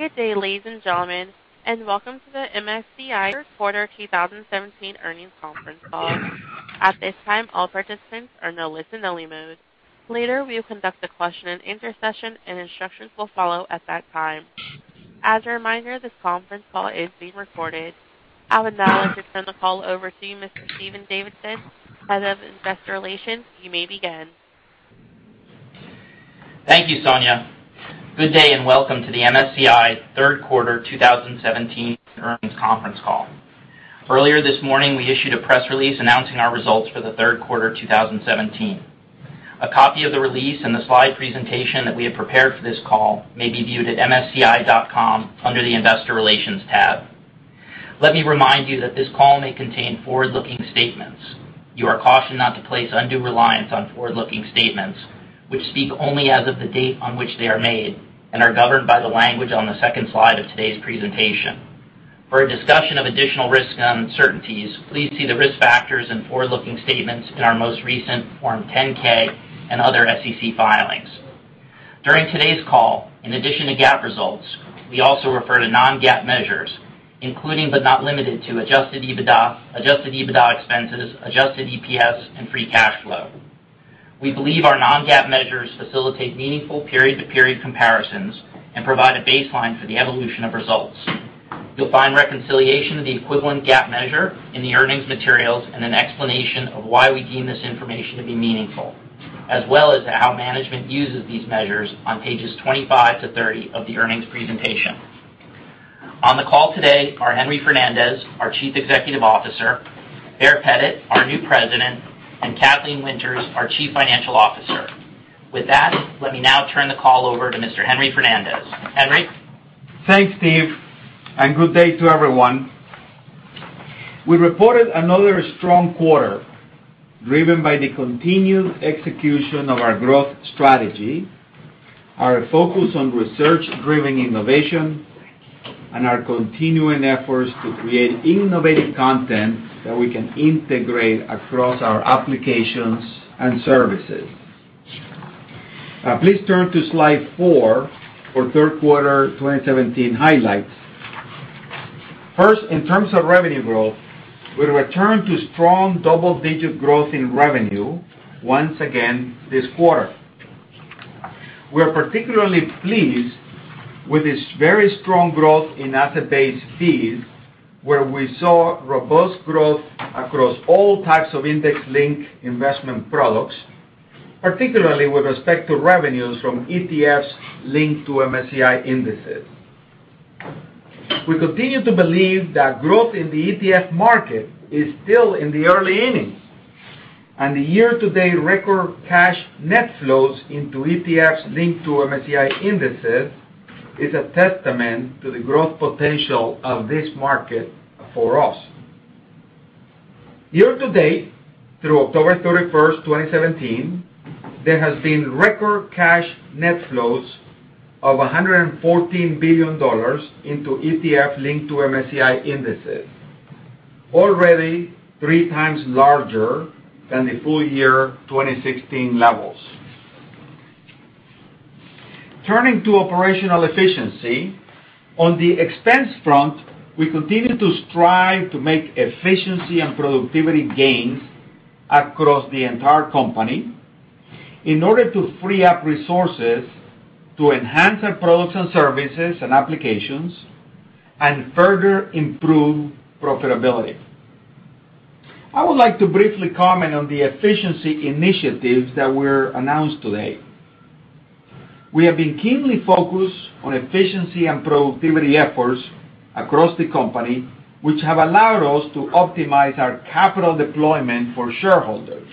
Good day, ladies and gentlemen, and welcome to the MSCI Third Quarter 2017 Earnings Conference Call. At this time, all participants are in a listen-only mode. Later, we will conduct a question and answer session, and instructions will follow at that time. As a reminder, this conference call is being recorded. I would now like to turn the call over to you, Mr. Stephen Davidson, Head of Investor Relations. You may begin. Thank you, Sonia. Good day, and welcome to the MSCI Third Quarter 2017 Earnings Conference Call. Earlier this morning, we issued a press release announcing our results for the third quarter of 2017. A copy of the release and the slide presentation that we have prepared for this call may be viewed at msci.com under the Investor Relations tab. Let me remind you that this call may contain forward-looking statements. You are cautioned not to place undue reliance on forward-looking statements, which speak only as of the date on which they are made and are governed by the language on the second slide of today's presentation. For a discussion of additional risks and uncertainties, please see the risk factors and forward-looking statements in our most recent Form 10-K and other SEC filings. During today's call, in addition to GAAP results, we also refer to non-GAAP measures, including but not limited to adjusted EBITDA, adjusted EBITDA expenses, adjusted EPS, and free cash flow. We believe our non-GAAP measures facilitate meaningful period-to-period comparisons and provide a baseline for the evolution of results. You'll find reconciliation of the equivalent GAAP measure in the earnings materials and an explanation of why we deem this information to be meaningful, as well as how management uses these measures on pages 25 to 30 of the earnings presentation. On the call today are Henry Fernandez, our Chief Executive Officer, Baer Pettit, our new President, and Kathleen Winters, our Chief Financial Officer. With that, let me now turn the call over to Mr. Henry Fernandez. Henry? Thanks, Steve, and good day to everyone. We reported another strong quarter driven by the continued execution of our growth strategy, our focus on research-driven innovation, and our continuing efforts to create innovative content that we can integrate across our applications and services. Please turn to Slide Four for third quarter 2017 highlights. First, in terms of revenue growth, we returned to strong double-digit growth in revenue once again this quarter. We are particularly pleased with this very strong growth in asset-based fees, where we saw robust growth across all types of index-linked investment products, particularly with respect to revenues from ETFs linked to MSCI indices. We continue to believe that growth in the ETF market is still in the early innings, and the year-to-date record cash net flows into ETFs linked to MSCI indices is a testament to the growth potential of this market for us. Year to date, through October 31, 2017, there has been record cash net flows of $114 billion into ETF linked to MSCI indices, already three times larger than the full year 2016 levels. Turning to operational efficiency, on the expense front, we continue to strive to make efficiency and productivity gains across the entire company in order to free up resources to enhance our products and services and applications and further improve profitability. I would like to briefly comment on the efficiency initiatives that were announced today. We have been keenly focused on efficiency and productivity efforts across the company, which have allowed us to optimize our capital deployment for shareholders.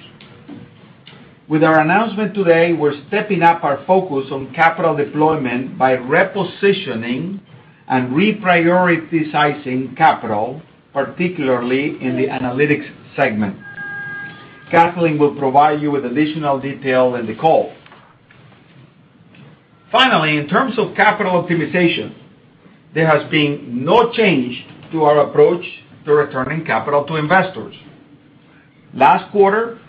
With our announcement today, we're stepping up our focus on capital deployment by repositioning and reprioritizing capital, particularly in the analytics segment. Kathleen will provide you with additional detail in the call. Finally, in terms of capital optimization, there has been no change to our approach to returning capital to investors. Last quarter,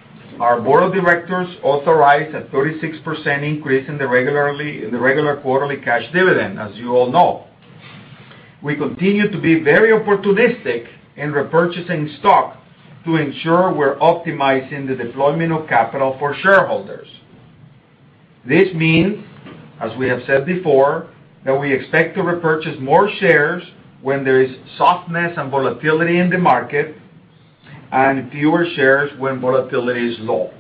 our board of directors authorized a 36% increase in the regular quarterly cash dividend, as you all know. We continue to be very opportunistic in repurchasing stock to ensure we're optimizing the deployment of capital for shareholders. This means, as we have said before, that we expect to repurchase more shares when there is softness and volatility in the market and fewer shares when volatility is low.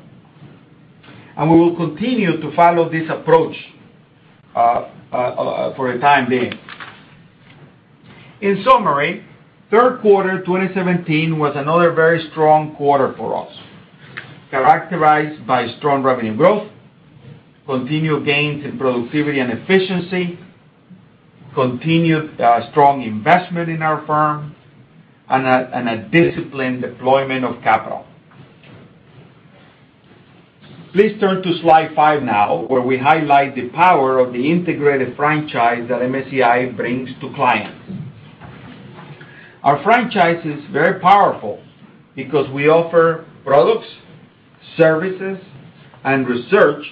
We will continue to follow this approach for the time being. In summary, third quarter 2017 was another very strong quarter for us, characterized by strong revenue growth, continued gains in productivity and efficiency, continued strong investment in our firm, and a disciplined deployment of capital. Please turn to Slide Five now, where we highlight the power of the integrated franchise that MSCI brings to clients. Our franchise is very powerful because we offer products, services, and research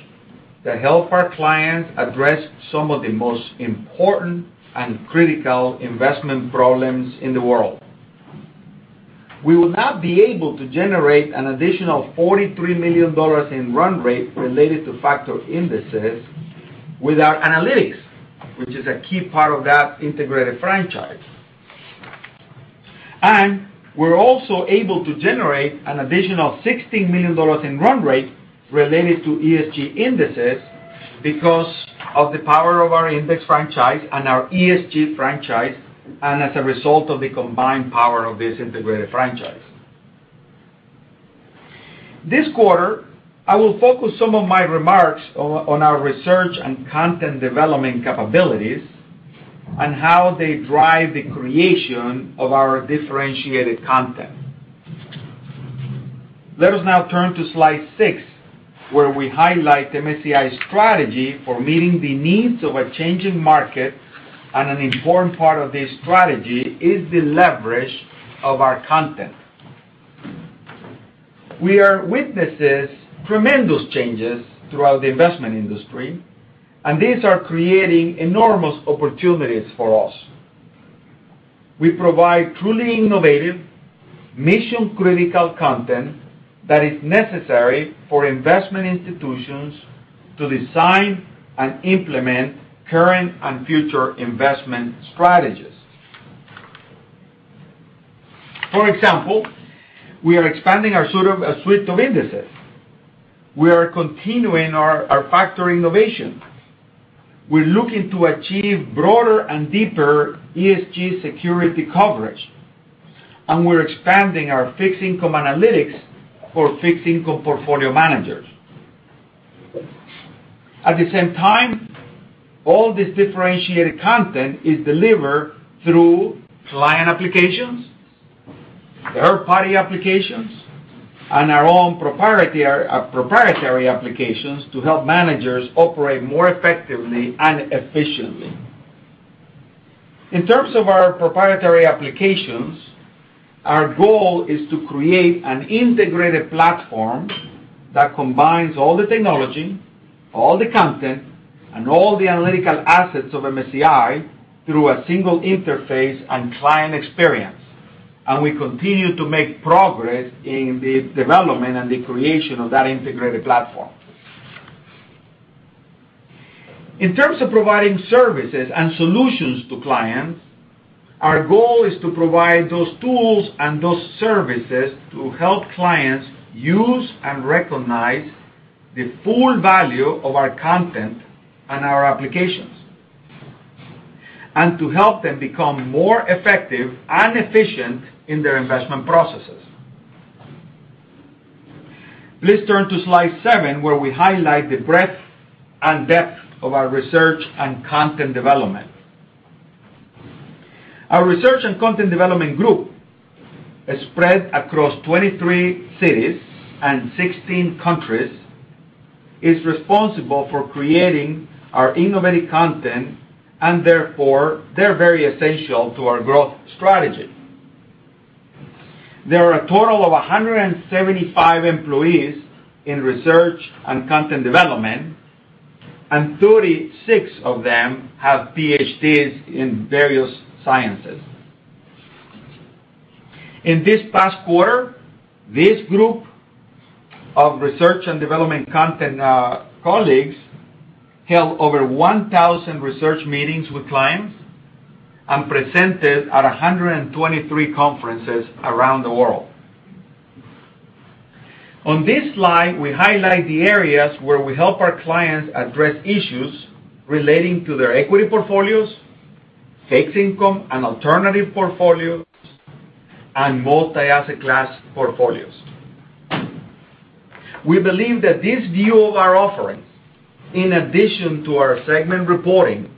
that help our clients address some of the most important and critical investment problems in the world. We would not be able to generate an additional $43 million in run rate related to factor indices without analytics, which is a key part of that integrated franchise. We're also able to generate an additional $16 million in run rate related to ESG indices because of the power of our index franchise and our ESG franchise, and as a result of the combined power of this integrated franchise. This quarter, I will focus some of my remarks on our research and content development capabilities and how they drive the creation of our differentiated content. Let us now turn to slide six, where we highlight MSCI's strategy for meeting the needs of a changing market. An important part of this strategy is the leverage of our content. We are witnessing tremendous changes throughout the investment industry, and these are creating enormous opportunities for us. We provide truly innovative, mission-critical content that is necessary for investment institutions to design and implement current and future investment strategies. For example, we are expanding our suite of indices. We are continuing our factor innovation. We're looking to achieve broader and deeper ESG security coverage, and we're expanding our fixed-income analytics for fixed-income portfolio managers. At the same time, all this differentiated content is delivered through client applications, third-party applications, and our own proprietary applications to help managers operate more effectively and efficiently. In terms of our proprietary applications, our goal is to create an integrated platform that combines all the technology, all the content, and all the analytical assets of MSCI through a single interface and client experience, and we continue to make progress in the development and the creation of that integrated platform. In terms of providing services and solutions to clients, our goal is to provide those tools and those services to help clients use and recognize the full value of our content and our applications. To help them become more effective and efficient in their investment processes. Please turn to slide seven, where we highlight the breadth and depth of our research and content development. Our research and content development group, spread across 23 cities and 16 countries, is responsible for creating our innovative content, and therefore, they're very essential to our growth strategy. There are a total of 175 employees in research and content development, and 36 of them have PhDs in various sciences. In this past quarter, this group of research and development content colleagues held over 1,000 research meetings with clients and presented at 123 conferences around the world. On this slide, we highlight the areas where we help our clients address issues relating to their equity portfolios, fixed income and alternative portfolios, and multi-asset class portfolios. We believe that this view of our offerings, in addition to our segment reporting,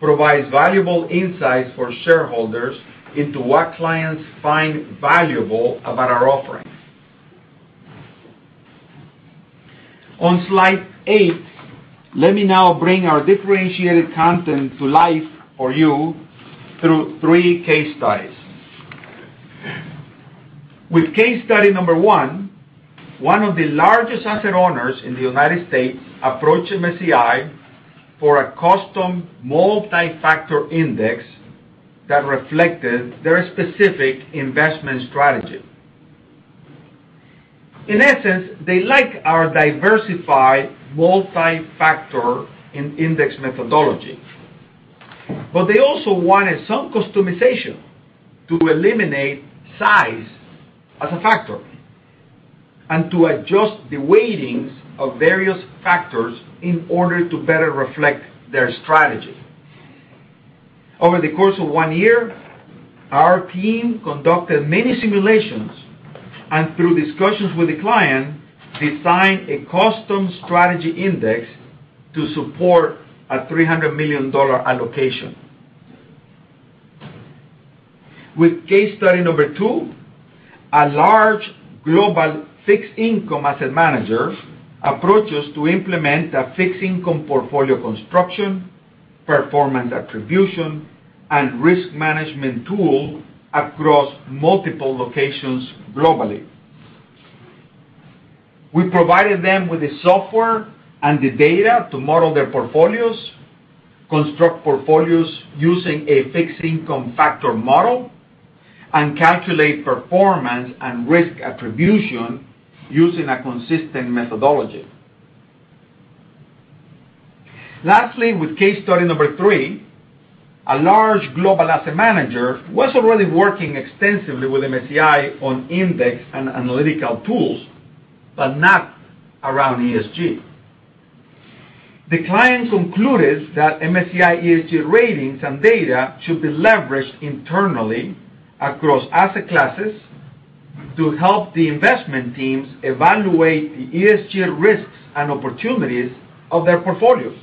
provides valuable insights for shareholders into what clients find valuable about our offerings. On slide eight, let me now bring our differentiated content to life for you through three case studies. With case study number one of the largest asset owners in the U.S. approached MSCI for a custom multi-factor index that reflected their specific investment strategy. In essence, they like our diversified multi-factor index methodology, but they also wanted some customization to eliminate size as a factor, and to adjust the weightings of various factors in order to better reflect their strategy. Over the course of one year, our team conducted many simulations, and through discussions with the client, designed a custom strategy index to support a $300 million allocation. With case study number 2, a large global fixed income asset manager approached us to implement a fixed income portfolio construction, performance attribution, and risk management tool across multiple locations globally. We provided them with the software and the data to model their portfolios, construct portfolios using a fixed income factor model, and calculate performance and risk attribution using a consistent methodology. Lastly, with case study number 3, a large global asset manager was already working extensively with MSCI on index and analytical tools, but not around ESG. The client concluded that MSCI ESG ratings and data should be leveraged internally across asset classes to help the investment teams evaluate the ESG risks and opportunities of their portfolios.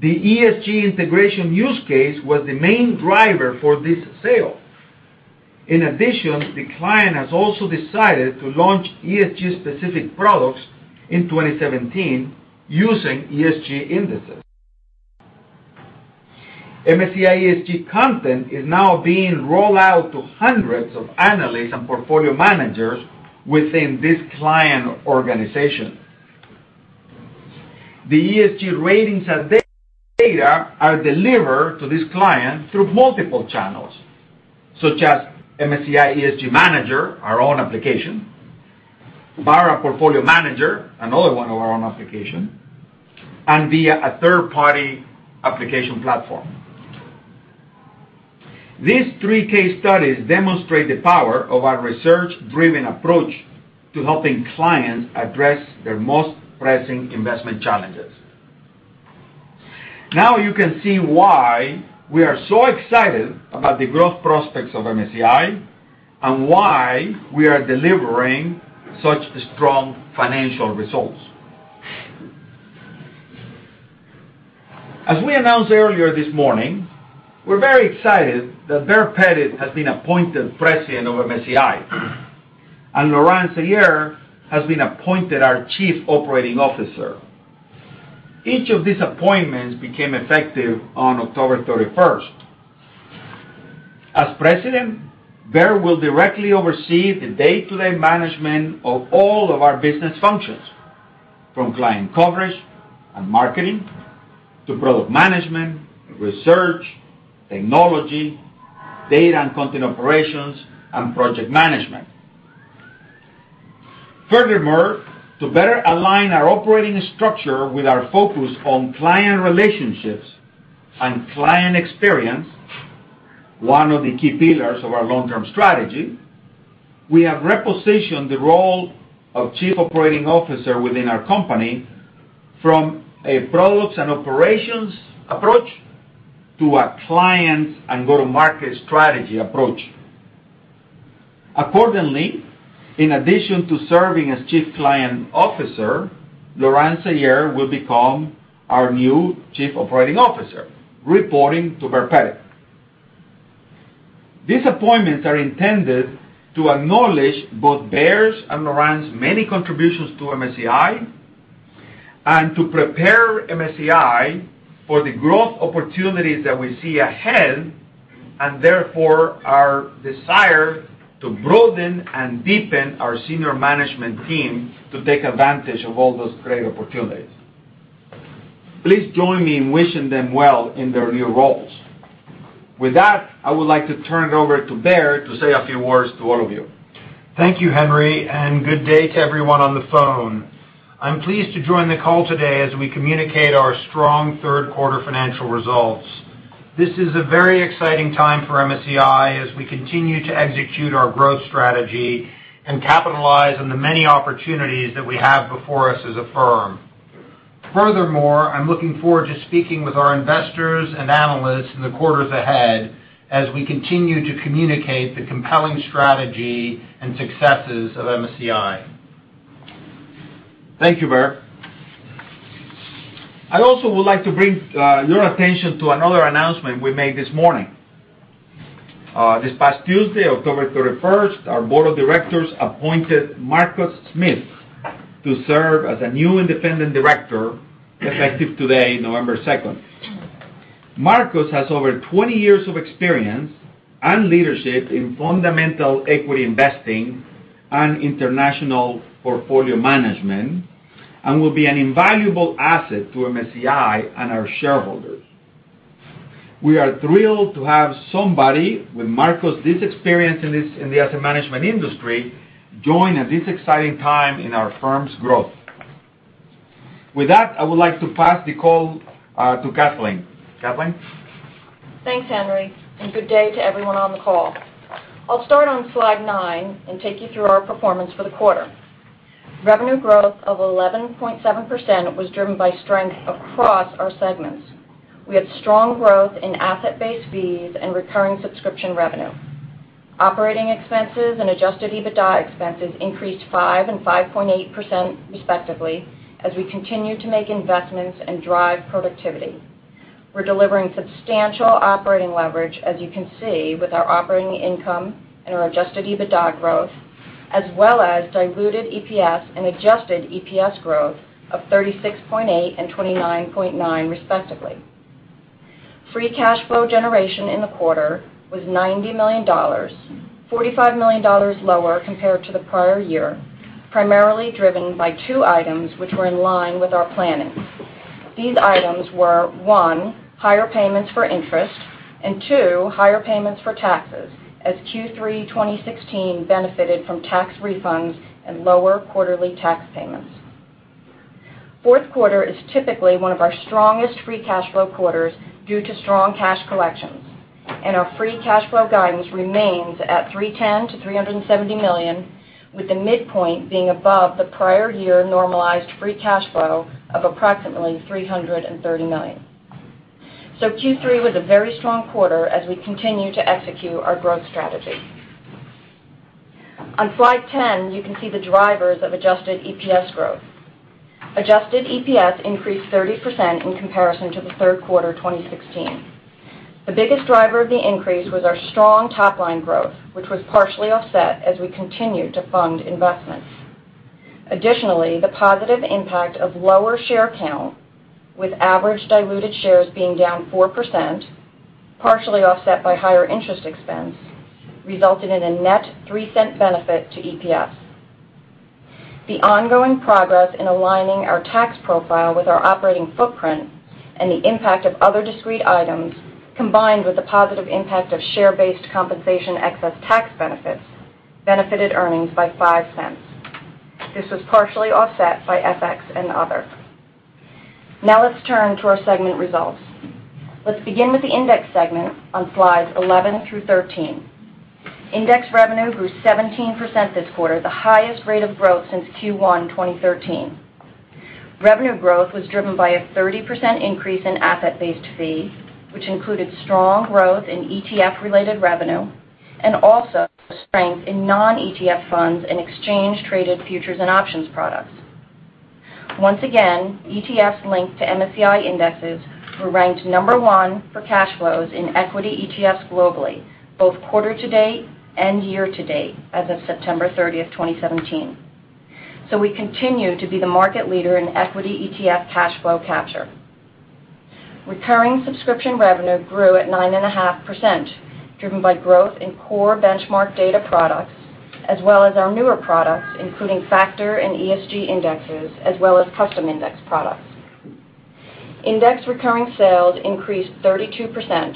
The ESG integration use case was the main driver for this sale. In addition, the client has also decided to launch ESG-specific products in 2017 using ESG indices. MSCI ESG content is now being rolled out to hundreds of analysts and portfolio managers within this client organization. The ESG ratings and data are delivered to this client through multiple channels, such as MSCI ESG Manager, our own application, Barra Portfolio Manager, another one of our own application, and via a third-party application platform. These three case studies demonstrate the power of our research-driven approach to helping clients address their most pressing investment challenges. Now you can see why we are so excited about the growth prospects of MSCI and why we are delivering such strong financial results. As we announced earlier this morning, we are very excited that Baer Pettit has been appointed President of MSCI, and Laurent Seyer has been appointed our Chief Operating Officer. Each of these appointments became effective on October 31st. As President, Baer will directly oversee the day-to-day management of all of our business functions, from client coverage and marketing to product management, research, technology, data and content operations, and project management. To better align our operating structure with our focus on client relationships and client experience, one of the key pillars of our long-term strategy, we have repositioned the role of Chief Operating Officer within our company from a products and operations approach to a clients and go-to-market strategy approach. Accordingly, in addition to serving as Chief Client Officer, Laurent Seyer will become our new Chief Operating Officer, reporting to Baer Pettit. These appointments are intended to acknowledge both Baer's and Laurent's many contributions to MSCI and to prepare MSCI for the growth opportunities that we see ahead, therefore our desire to broaden and deepen our senior management team to take advantage of all those great opportunities. Please join me in wishing them well in their new roles. With that, I would like to turn it over to Baer to say a few words to all of you. Thank you, Henry. Good day to everyone on the phone. I am pleased to join the call today as we communicate our strong third quarter financial results. This is a very exciting time for MSCI as we continue to execute our growth strategy and capitalize on the many opportunities that we have before us as a firm. I am looking forward to speaking with our investors and analysts in the quarters ahead as we continue to communicate the compelling strategy and successes of MSCI. Thank you, Baer. I also would like to bring your attention to another announcement we made this morning. This past Tuesday, October 31st, our board of directors appointed Marcus Smith to serve as a new independent director effective today, November 2nd. Marcus has over 20 years of experience and leadership in fundamental equity investing and international portfolio management and will be an invaluable asset to MSCI and our shareholders. We are thrilled to have somebody with Marcus's experience in the asset management industry join at this exciting time in our firm's growth. With that, I would like to pass the call to Kathleen. Kathleen? Thanks, Henry, and good day to everyone on the call. I'll start on slide nine and take you through our performance for the quarter. Revenue growth of 11.7% was driven by strength across our segments. We had strong growth in asset-based fees and recurring subscription revenue. Operating expenses and adjusted EBITDA expenses increased 5% and 5.8% respectively, as we continue to make investments and drive productivity. We're delivering substantial operating leverage, as you can see with our operating income and our adjusted EBITDA growth, as well as diluted EPS and adjusted EPS growth of 36.8% and 29.9% respectively. Free cash flow generation in the quarter was $90 million, $45 million lower compared to the prior year, primarily driven by two items which were in line with our planning. These items were, one, higher payments for interest, and two, higher payments for taxes, as Q3 2016 benefited from tax refunds and lower quarterly tax payments. Our free cash flow guidance remains at $310 million-$370 million, with the midpoint being above the prior year normalized free cash flow of approximately $330 million. Q3 was a very strong quarter as we continue to execute our growth strategy. On slide 10, you can see the drivers of adjusted EPS growth. Adjusted EPS increased 30% in comparison to the third quarter 2016. The biggest driver of the increase was our strong top-line growth, which was partially offset as we continued to fund investments. Additionally, the positive impact of lower share count with average diluted shares being down 4%, partially offset by higher interest expense, resulted in a net $0.03 benefit to EPS. The ongoing progress in aligning our tax profile with our operating footprint and the impact of other discrete items, combined with the positive impact of share-based compensation excess tax benefits, benefited earnings by $0.05. This was partially offset by FX and other. Let's turn to our segment results. Let's begin with the index segment on slides 11 through 13. Index revenue grew 17% this quarter, the highest rate of growth since Q1 2013. Revenue growth was driven by a 30% increase in asset-based fee, which included strong growth in ETF-related revenue, and also strength in non-ETF funds and exchange-traded futures and options products. Once again, ETFs linked to MSCI indexes were ranked number 1 for cash flows in equity ETFs globally, both quarter to date and year to date as of September 30th, 2017. We continue to be the market leader in equity ETF cash flow capture. Recurring subscription revenue grew at 9.5%, driven by growth in core benchmark data products, as well as our newer products, including factor and ESG indexes, as well as custom index products. Index recurring sales increased 32%,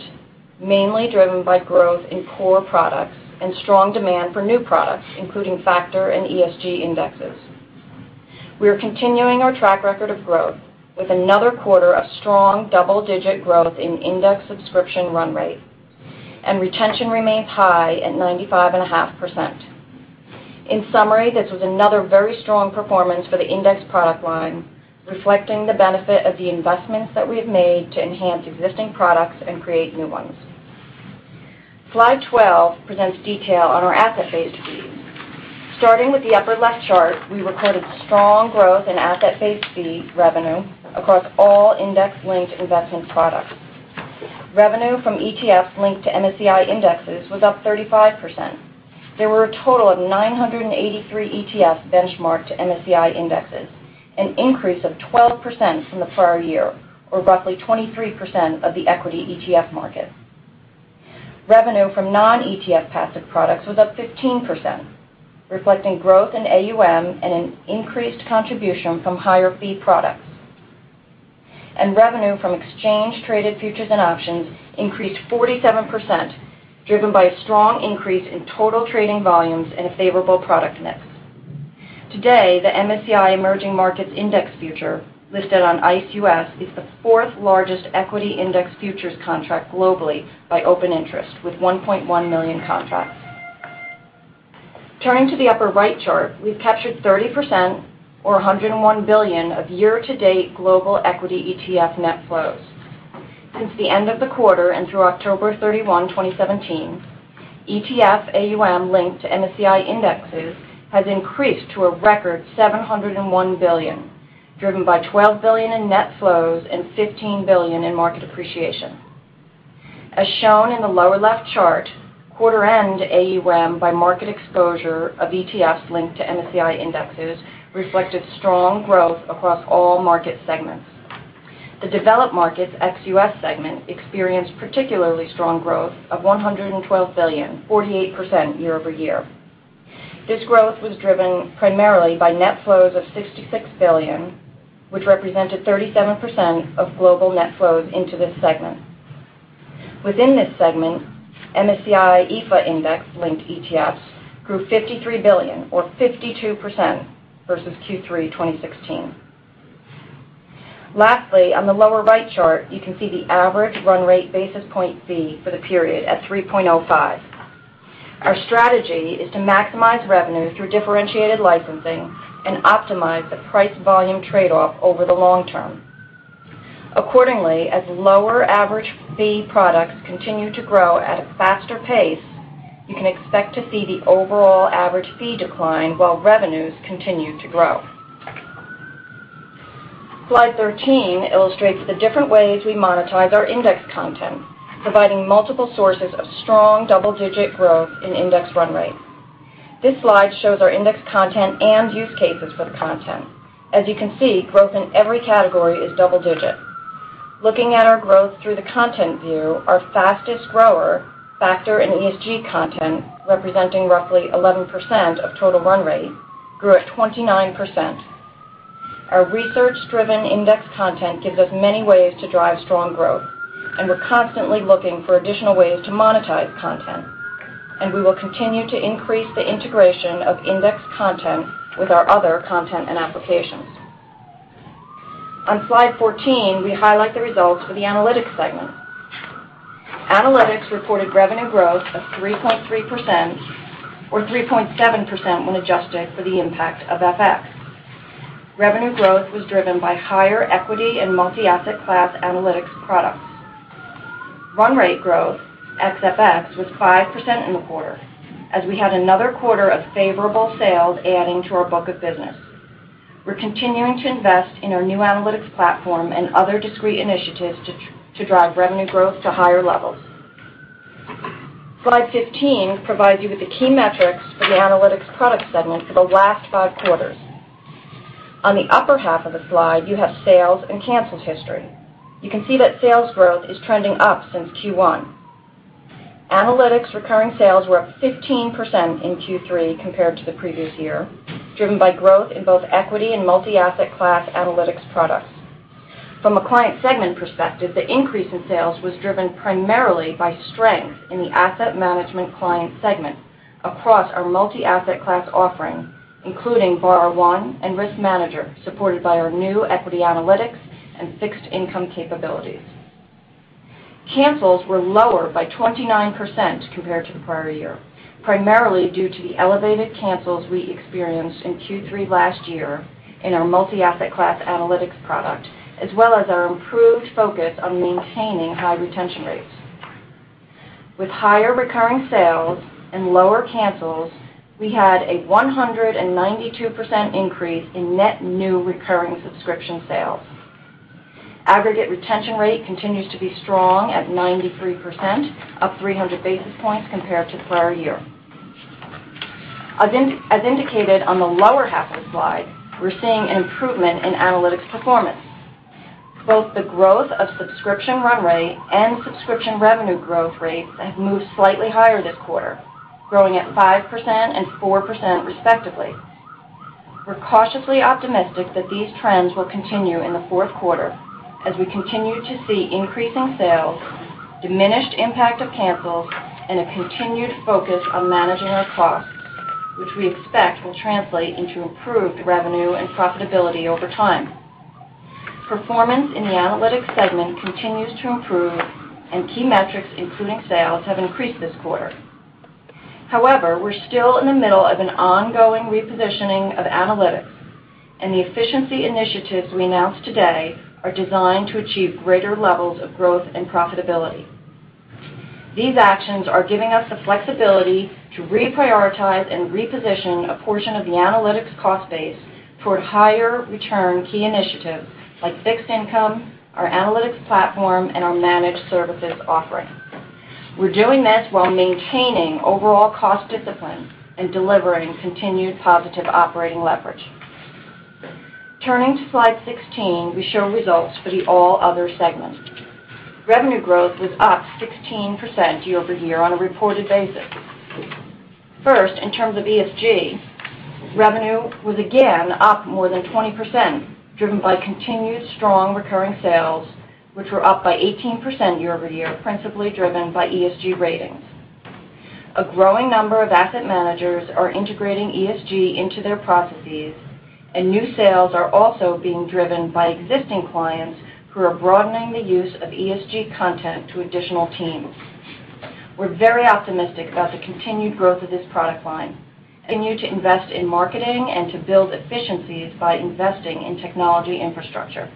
mainly driven by growth in core products and strong demand for new products, including factor and ESG indexes. We are continuing our track record of growth with another quarter of strong double-digit growth in index subscription run rate, and retention remains high at 95.5%. In summary, this was another very strong performance for the index product line, reflecting the benefit of the investments that we have made to enhance existing products and create new ones. Slide 12 presents detail on our asset-based fee. Starting with the upper left chart, we recorded strong growth in asset-based fee revenue across all index-linked investment products. Revenue from ETFs linked to MSCI indexes was up 35%. There were a total of 983 ETF benchmarked to MSCI indexes, an increase of 12% from the prior year, or roughly 23% of the equity ETF market. Revenue from non-ETF passive products was up 15%, reflecting growth in AUM and an increased contribution from higher fee products. Revenue from exchange-traded futures and options increased 47%, driven by a strong increase in total trading volumes and a favorable product mix. Today, the MSCI Emerging Markets Index Future, listed on ICE U.S., is the fourth-largest equity index futures contract globally by open interest, with 1.1 million contracts. Turning to the upper right chart, we've captured 30%, or $101 billion, of year-to-date global equity ETF net flows. Since the end of the quarter and through October 31, 2017, ETF AUM linked to MSCI indexes has increased to a record $701 billion, driven by $12 billion in net flows and $15 billion in market appreciation. As shown in the lower left chart, quarter-end AUM by market exposure of ETFs linked to MSCI indexes reflected strong growth across all market segments. The developed markets ex-U.S. segment experienced particularly strong growth of $112 billion, 48% year-over-year. This growth was driven primarily by net flows of $66 billion, which represented 37% of global net flows into this segment. Within this segment, MSCI EAFE Index linked ETFs grew $53 billion, or 52%, versus Q3 2016. Lastly, on the lower right chart, you can see the average run rate basis point fee for the period at 3.05. Our strategy is to maximize revenue through differentiated licensing and optimize the price-volume tradeoff over the long term. Accordingly, as lower average fee products continue to grow at a faster pace, you can expect to see the overall average fee decline while revenues continue to grow. Slide 13 illustrates the different ways we monetize our index content, providing multiple sources of strong double-digit growth in index run rate. This slide shows our index content and use cases for the content. As you can see, growth in every category is double digit. Looking at our growth through the content view, our fastest grower, factor in ESG content, representing roughly 11% of total run rate, grew at 29%. Our research-driven index content gives us many ways to drive strong growth, and we're constantly looking for additional ways to monetize content. We will continue to increase the integration of index content with our other content and applications. On slide 14, we highlight the results for the analytics segment. Analytics reported revenue growth of 3.3%, or 3.7% when adjusted for the impact of FX. Revenue growth was driven by higher equity and multi-asset class analytics products. Run rate growth, ex FX, was 5% in the quarter, as we had another quarter of favorable sales adding to our book of business. We're continuing to invest in our new analytics platform and other discrete initiatives to drive revenue growth to higher levels. Slide 15 provides you with the key metrics for the analytics product segment for the last five quarters. On the upper half of the slide, you have sales and cancels history. You can see that sales growth is trending up since Q1. Analytics recurring sales were up 15% in Q3 compared to the previous year, driven by growth in both equity and multi-asset class analytics products. From a client segment perspective, the increase in sales was driven primarily by strength in the asset management client segment across our multi-asset class offering, including BarraOne and RiskManager, supported by our new equity analytics and fixed income capabilities. Cancels were lower by 29% compared to the prior year, primarily due to the elevated cancels we experienced in Q3 last year in our multi-asset class analytics product, as well as our improved focus on maintaining high retention rates. With higher recurring sales and lower cancels, we had a 192% increase in net new recurring subscription sales. Aggregate retention rate continues to be strong at 93%, up 300 basis points compared to prior year. As indicated on the lower half of the slide, we're seeing an improvement in analytics performance. Both the growth of subscription run rate and subscription revenue growth rates have moved slightly higher this quarter, growing at 5% and 4% respectively. We're cautiously optimistic that these trends will continue in the fourth quarter as we continue to see increasing sales, diminished impact of cancels, and a continued focus on managing our costs, which we expect will translate into improved revenue and profitability over time. Performance in the analytics segment continues to improve, and key metrics, including sales, have increased this quarter. We're still in the middle of an ongoing repositioning of analytics, and the efficiency initiatives we announced today are designed to achieve greater levels of growth and profitability. These actions are giving us the flexibility to reprioritize and reposition a portion of the analytics cost base toward higher return key initiatives like fixed income, our analytics platform, and our managed services offering. We're doing this while maintaining overall cost discipline and delivering continued positive operating leverage. Turning to slide 16, we show results for the all other segment. Revenue growth was up 16% year-over-year on a reported basis. First, in terms of ESG, revenue was again up more than 20%, driven by continued strong recurring sales, which were up by 18% year-over-year, principally driven by ESG ratings. A growing number of asset managers are integrating ESG into their processes, and new sales are also being driven by existing clients who are broadening the use of ESG content to additional teams. We're very optimistic about the continued growth of this product line. Continue to invest in marketing and to build efficiencies by investing in technology infrastructure.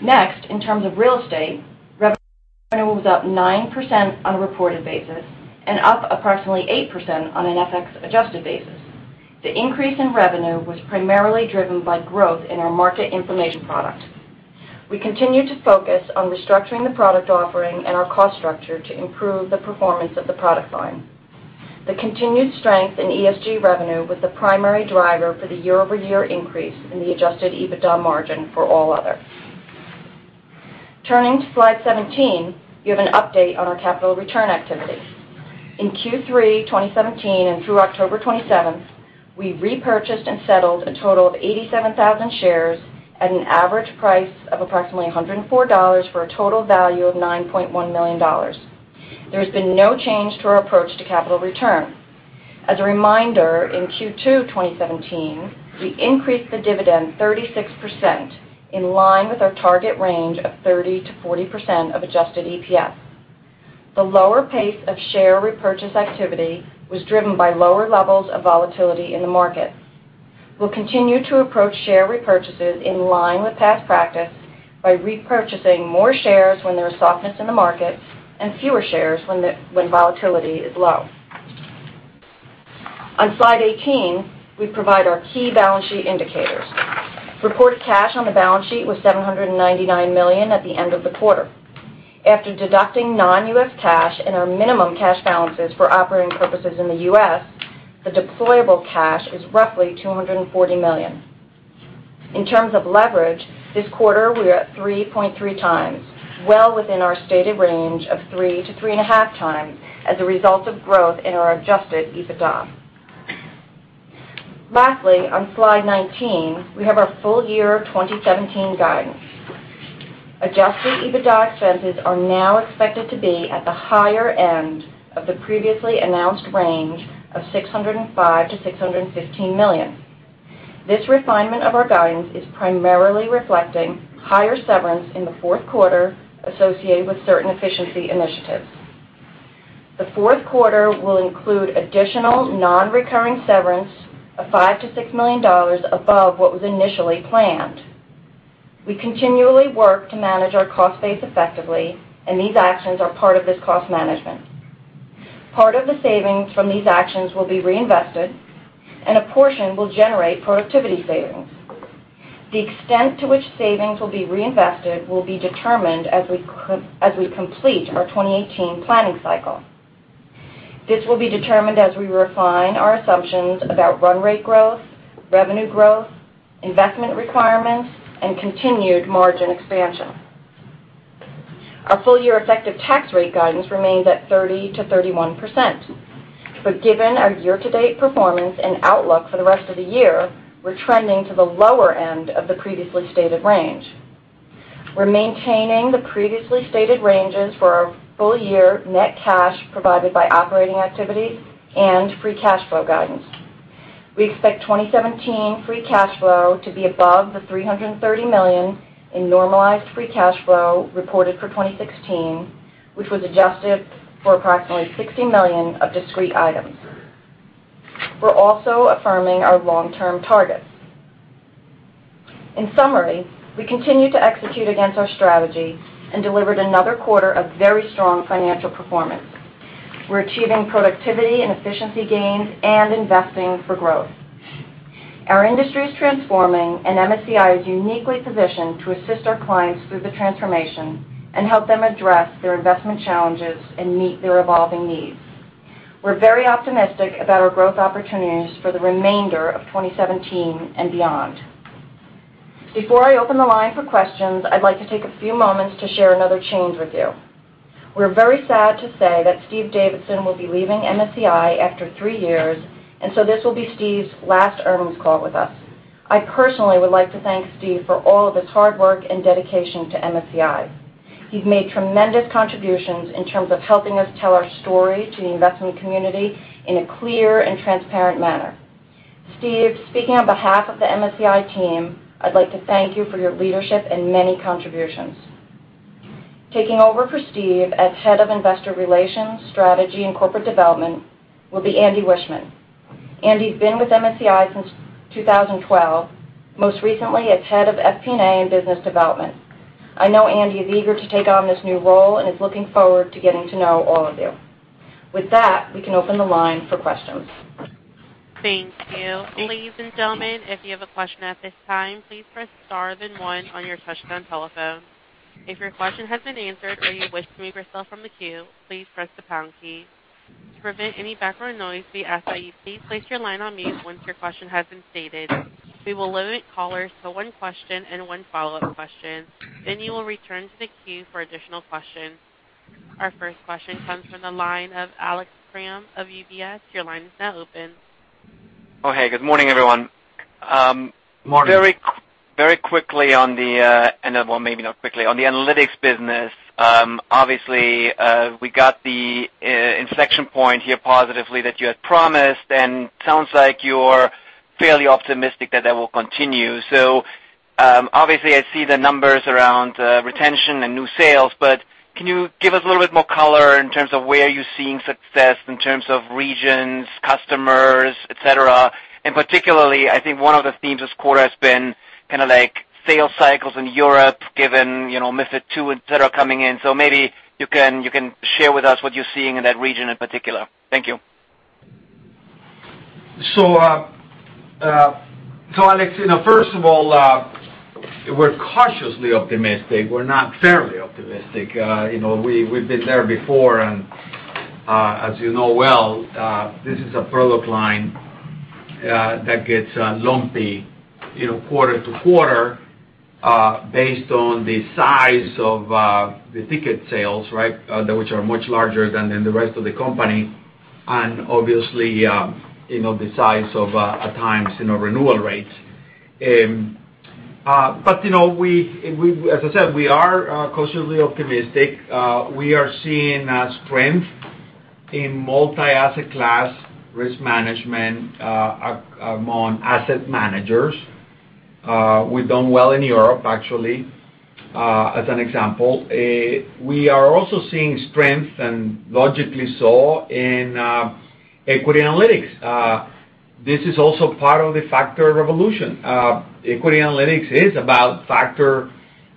Next, in terms of real estate, revenue was up 9% on a reported basis and up approximately 8% on an FX adjusted basis. The increase in revenue was primarily driven by growth in our market information product. We continue to focus on restructuring the product offering and our cost structure to improve the performance of the product line. The continued strength in ESG revenue was the primary driver for the year-over-year increase in the adjusted EBITDA margin for all other. Turning to slide 17, we have an update on our capital return activity. In Q3 2017 and through October 27th, we repurchased and settled a total of 87,000 shares at an average price of approximately $104 for a total value of $9.1 million. There has been no change to our approach to capital return. As a reminder, in Q2 2017, we increased the dividend 36%, in line with our target range of 30%-40% of adjusted EPS. The lower pace of share repurchase activity was driven by lower levels of volatility in the market. We will continue to approach share repurchases in line with past practice by repurchasing more shares when there is softness in the market and fewer shares when volatility is low. On slide 18, we provide our key balance sheet indicators. Reported cash on the balance sheet was $799 million at the end of the quarter. After deducting non-U.S. cash and our minimum cash balances for operating purposes in the U.S., the deployable cash is roughly $240 million. In terms of leverage, this quarter, we are at 3.3 times, well within our stated range of three to three and a half times as a result of growth in our adjusted EBITDA. Lastly, on slide 19, we have our full year 2017 guidance. Adjusted EBITDA expenses are now expected to be at the higher end of the previously announced range of $605 million-$615 million. This refinement of our guidance is primarily reflecting higher severance in the fourth quarter associated with certain efficiency initiatives. The fourth quarter will include additional non-recurring severance of $5 million-$6 million above what was initially planned. We continually work to manage our cost base effectively, and these actions are part of this cost management. Part of the savings from these actions will be reinvested, and a portion will generate productivity savings. The extent to which savings will be reinvested will be determined as we complete our 2018 planning cycle. This will be determined as we refine our assumptions about run rate growth, revenue growth, investment requirements, and continued margin expansion. Our full-year effective tax rate guidance remains at 30%-31%, but given our year-to-date performance and outlook for the rest of the year, we are trending to the lower end of the previously stated range. We are maintaining the previously stated ranges for our full-year net cash provided by operating activities and free cash flow guidance. We expect 2017 free cash flow to be above the $330 million in normalized free cash flow reported for 2016, which was adjusted for approximately $60 million of discrete items. We are also affirming our long-term targets. In summary, we continue to execute against our strategy and delivered another quarter of very strong financial performance. We are achieving productivity and efficiency gains and investing for growth. Our industry is transforming, and MSCI is uniquely positioned to assist our clients through the transformation and help them address their investment challenges and meet their evolving needs. We are very optimistic about our growth opportunities for the remainder of 2017 and beyond. Before I open the line for questions, I would like to take a few moments to share another change with you. We are very sad to say that Stephen Davidson will be leaving MSCI after three years, and so this will be Stephen's last earnings call with us. I personally would like to thank Stephen for all of his hard work and dedication to MSCI. He's made tremendous contributions in terms of helping us tell our story to the investment community in a clear and transparent manner. Steve, speaking on behalf of the MSCI team, I'd like to thank you for your leadership and many contributions. Taking over for Steve as Head of Investor Relations, Strategy, and Corporate Development will be Andy Wiechmann. Andy's been with MSCI since 2012, most recently as Head of FP&A and Business Development. I know Andy is eager to take on this new role and is looking forward to getting to know all of you. With that, we can open the line for questions. Thank you. Ladies and gentlemen, if you have a question at this time, please press star then one on your touchtone telephone. If your question has been answered or you wish to remove yourself from the queue, please press the pound key. To prevent any background noise, we ask that you please place your line on mute once your question has been stated. We will limit callers to one question and one follow-up question. You will return to the queue for additional questions. Our first question comes from the line of Alex Kramm of UBS. Your line is now open. Hey, good morning, everyone. Morning. Very quickly on the, well, maybe not quickly, on the analytics business. Obviously, we got the inflection point here positively that you had promised, sounds like you're fairly optimistic that that will continue. Obviously, I see the numbers around retention and new sales, can you give us a little bit more color in terms of where you're seeing success in terms of regions, customers, et cetera? Particularly, I think one of the themes this quarter has been kind of like sales cycles in Europe, given MiFID II, et cetera, coming in. Maybe you can share with us what you're seeing in that region in particular. Thank you. Alex Kramm, first of all, we're cautiously optimistic. We're not fairly optimistic. We've been there before, and as you know well, this is a product line that gets lumpy quarter-to-quarter based on the size of the ticket sales, which are much larger than in the rest of the company, and obviously, the size of, at times, renewal rates. As I said, we are cautiously optimistic. We are seeing strength in multi-asset class risk management among asset managers. We've done well in Europe, actually, as an example. We are also seeing strength, and logically so, in equity analytics. This is also part of the factor revolution. Equity analytics is about factor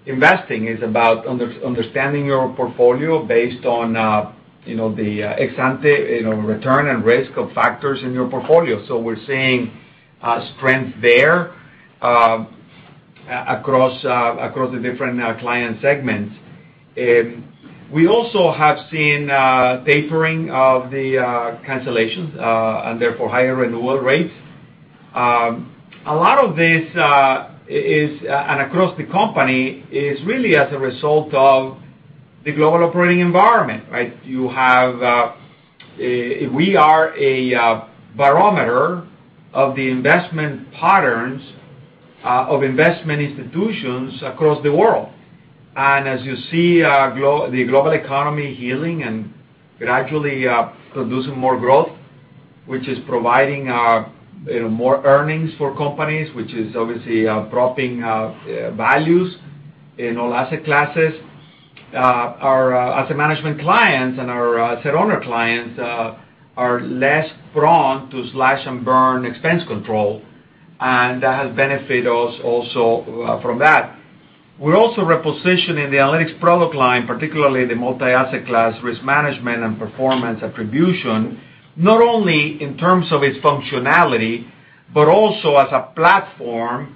investing. It's about understanding your portfolio based on the ex-ante return and risk of factors in your portfolio. We're seeing strength there across the different client segments. We also have seen tapering of the cancellations, and therefore, higher renewal rates. A lot of this, and across the company, is really as a result of the global operating environment, right? We are a barometer of the investment patterns of investment institutions across the world. As you see the global economy healing and gradually producing more growth, which is providing more earnings for companies, which is obviously propping up values in all asset classes, our asset management clients and our asset owner clients are less prone to slash and burn expense control. That has benefited us also from that. We're also repositioning the analytics product line, particularly the multi-asset class risk management and performance attribution, not only in terms of its functionality, but also as a platform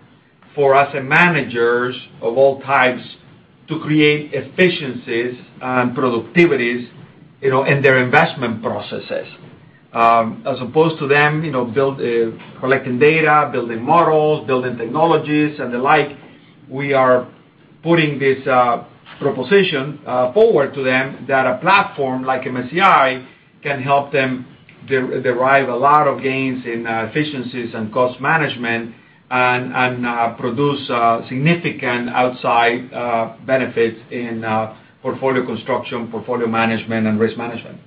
for asset managers of all types to create efficiencies and productivities in their investment processes. As opposed to them collecting data, building models, building technologies, and the like, we are putting this proposition forward to them that a platform like MSCI can help them derive a lot of gains in efficiencies and cost management, and produce significant outside benefits in portfolio construction, portfolio management, and risk management.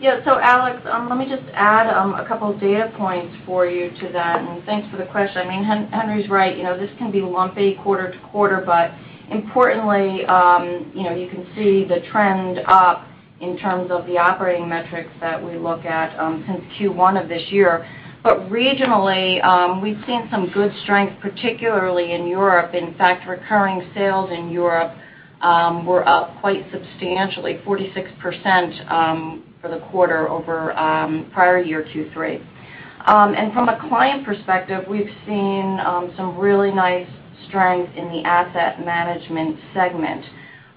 Yeah. Alex Kramm, let me just add a couple data points for you to that, and thanks for the question. Henry's right. This can be lumpy quarter-to-quarter, but importantly, you can see the trend up in terms of the operating metrics that we look at since Q1 of this year. Regionally, we've seen some good strength, particularly in Europe. In fact, recurring sales in Europe were up quite substantially, 46% for the quarter over prior-year Q3. From a client perspective, we've seen some really nice strength in the asset management segment.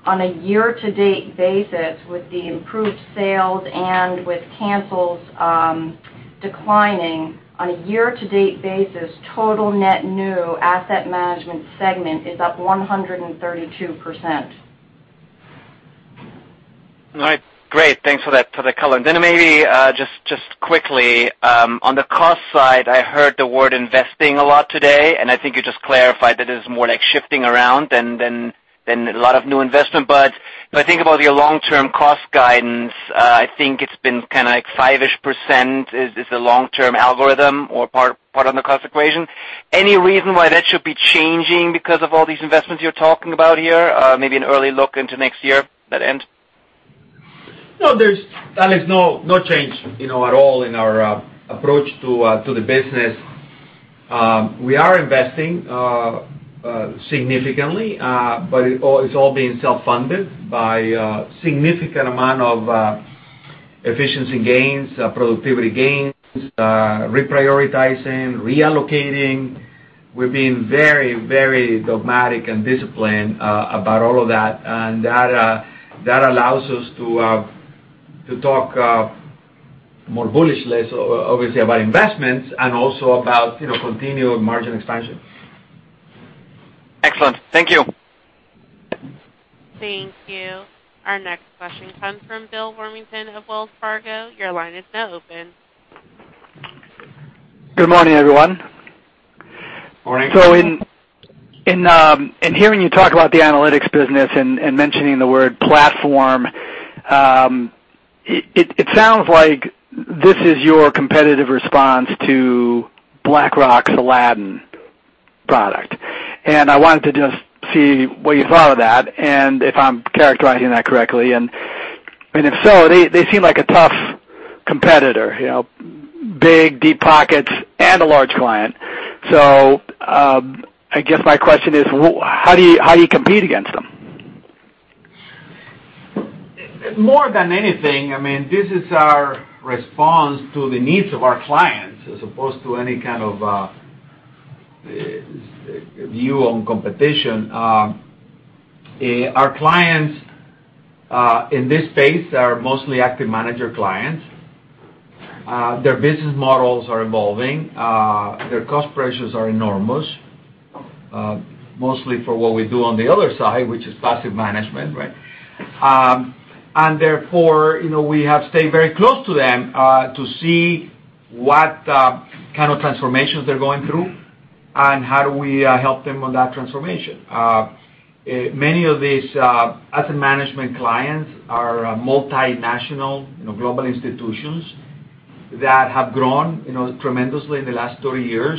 On a year-to-date basis, with the improved sales and with cancels declining, on a year-to-date basis, total net new asset management segment is up 132%. All right. Great. Thanks for the color. Maybe just quickly, on the cost side, I heard the word investing a lot today, and I think you just clarified that it is more like shifting around than a lot of new investment. When I think about your long-term cost guidance, I think it's been kind of like 5-ish% is the long-term algorithm or part of the cost equation. Any reason why that should be changing because of all these investments you're talking about here? Maybe an early look into next year at end? No, there's, Alex, no change at all in our approach to the business. We are investing significantly, but it's all being self-funded by a significant amount of efficiency gains, productivity gains, reprioritizing, reallocating. We're being very, very dogmatic and disciplined about all of that, and that allows us to talk more bullishly, obviously, about investments and also about continual margin expansion. Excellent. Thank you. Thank you. Our next question comes from Bill Warmington of Wells Fargo. Your line is now open. Good morning, everyone. Morning. In hearing you talk about the analytics business and mentioning the word platform, it sounds like this is your competitive response to BlackRock's Aladdin product. I wanted to just see what you thought of that and if I'm characterizing that correctly. If so, they seem like a tough competitor. Big, deep pockets, and a large client. I guess my question is, how do you compete against them? More than anything, this is our response to the needs of our clients as opposed to any kind of view on competition. Our clients in this space are mostly active manager clients. Their business models are evolving. Their cost pressures are enormous. Mostly for what we do on the other side, which is passive management, right? Therefore, we have stayed very close to them, to see what kind of transformations they're going through and how do we help them on that transformation. Many of these asset management clients are multinational, global institutions that have grown tremendously in the last 30,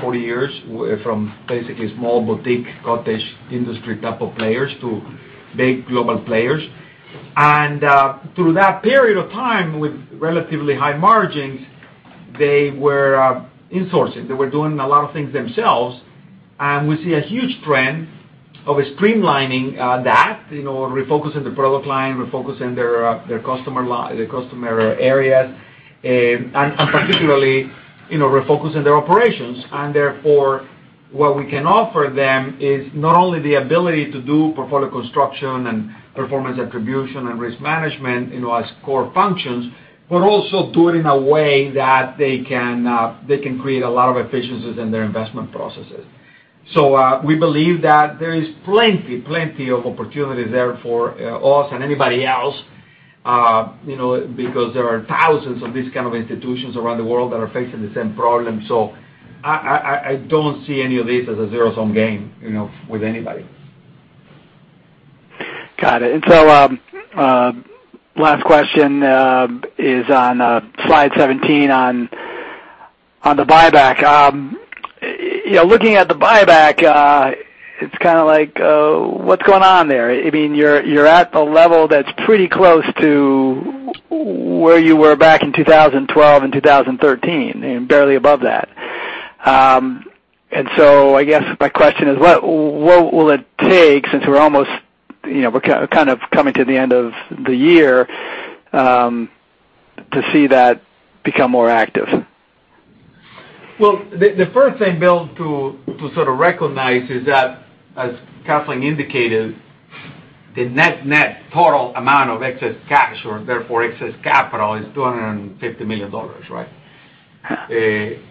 40 years, from basically small boutique, cottage industry type of players to big global players. Through that period of time, with relatively high margins. They were insourcing. They were doing a lot of things themselves. We see a huge trend of streamlining that, refocusing the product line, refocusing their customer areas, and particularly, refocusing their operations. Therefore, what we can offer them is not only the ability to do portfolio construction and performance attribution and risk management as core functions, but also do it in a way that they can create a lot of efficiencies in their investment processes. We believe that there is plenty of opportunity there for us and anybody else, because there are thousands of these kind of institutions around the world that are facing the same problems. I don't see any of this as a zero-sum game with anybody. Got it. Last question is on slide 17 on the buyback. Looking at the buyback, it's like what's going on there? You're at a level that's pretty close to where you were back in 2012 and 2013, and barely above that. I guess my question is, what will it take, since we're kind of coming to the end of the year, to see that become more active? Well, the first thing, Bill, to sort of recognize is that as Kathleen indicated, the net total amount of excess cash or therefore excess capital is $250 million, right?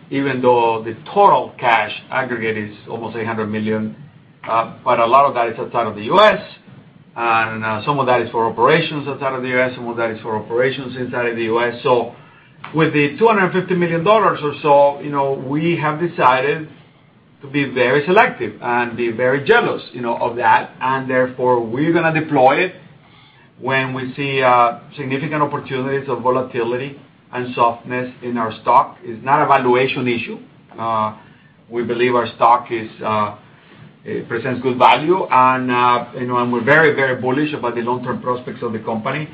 Even though the total cash aggregate is almost $800 million. A lot of that is outside of the U.S., and some of that is for operations outside of the U.S., some of that is for operations inside of the U.S. With the $250 million or so, we have decided to be very selective and be very jealous of that. Therefore, we're going to deploy it when we see significant opportunities of volatility and softness in our stock. It's not a valuation issue. We believe our stock presents good value, and we're very bullish about the long-term prospects of the company.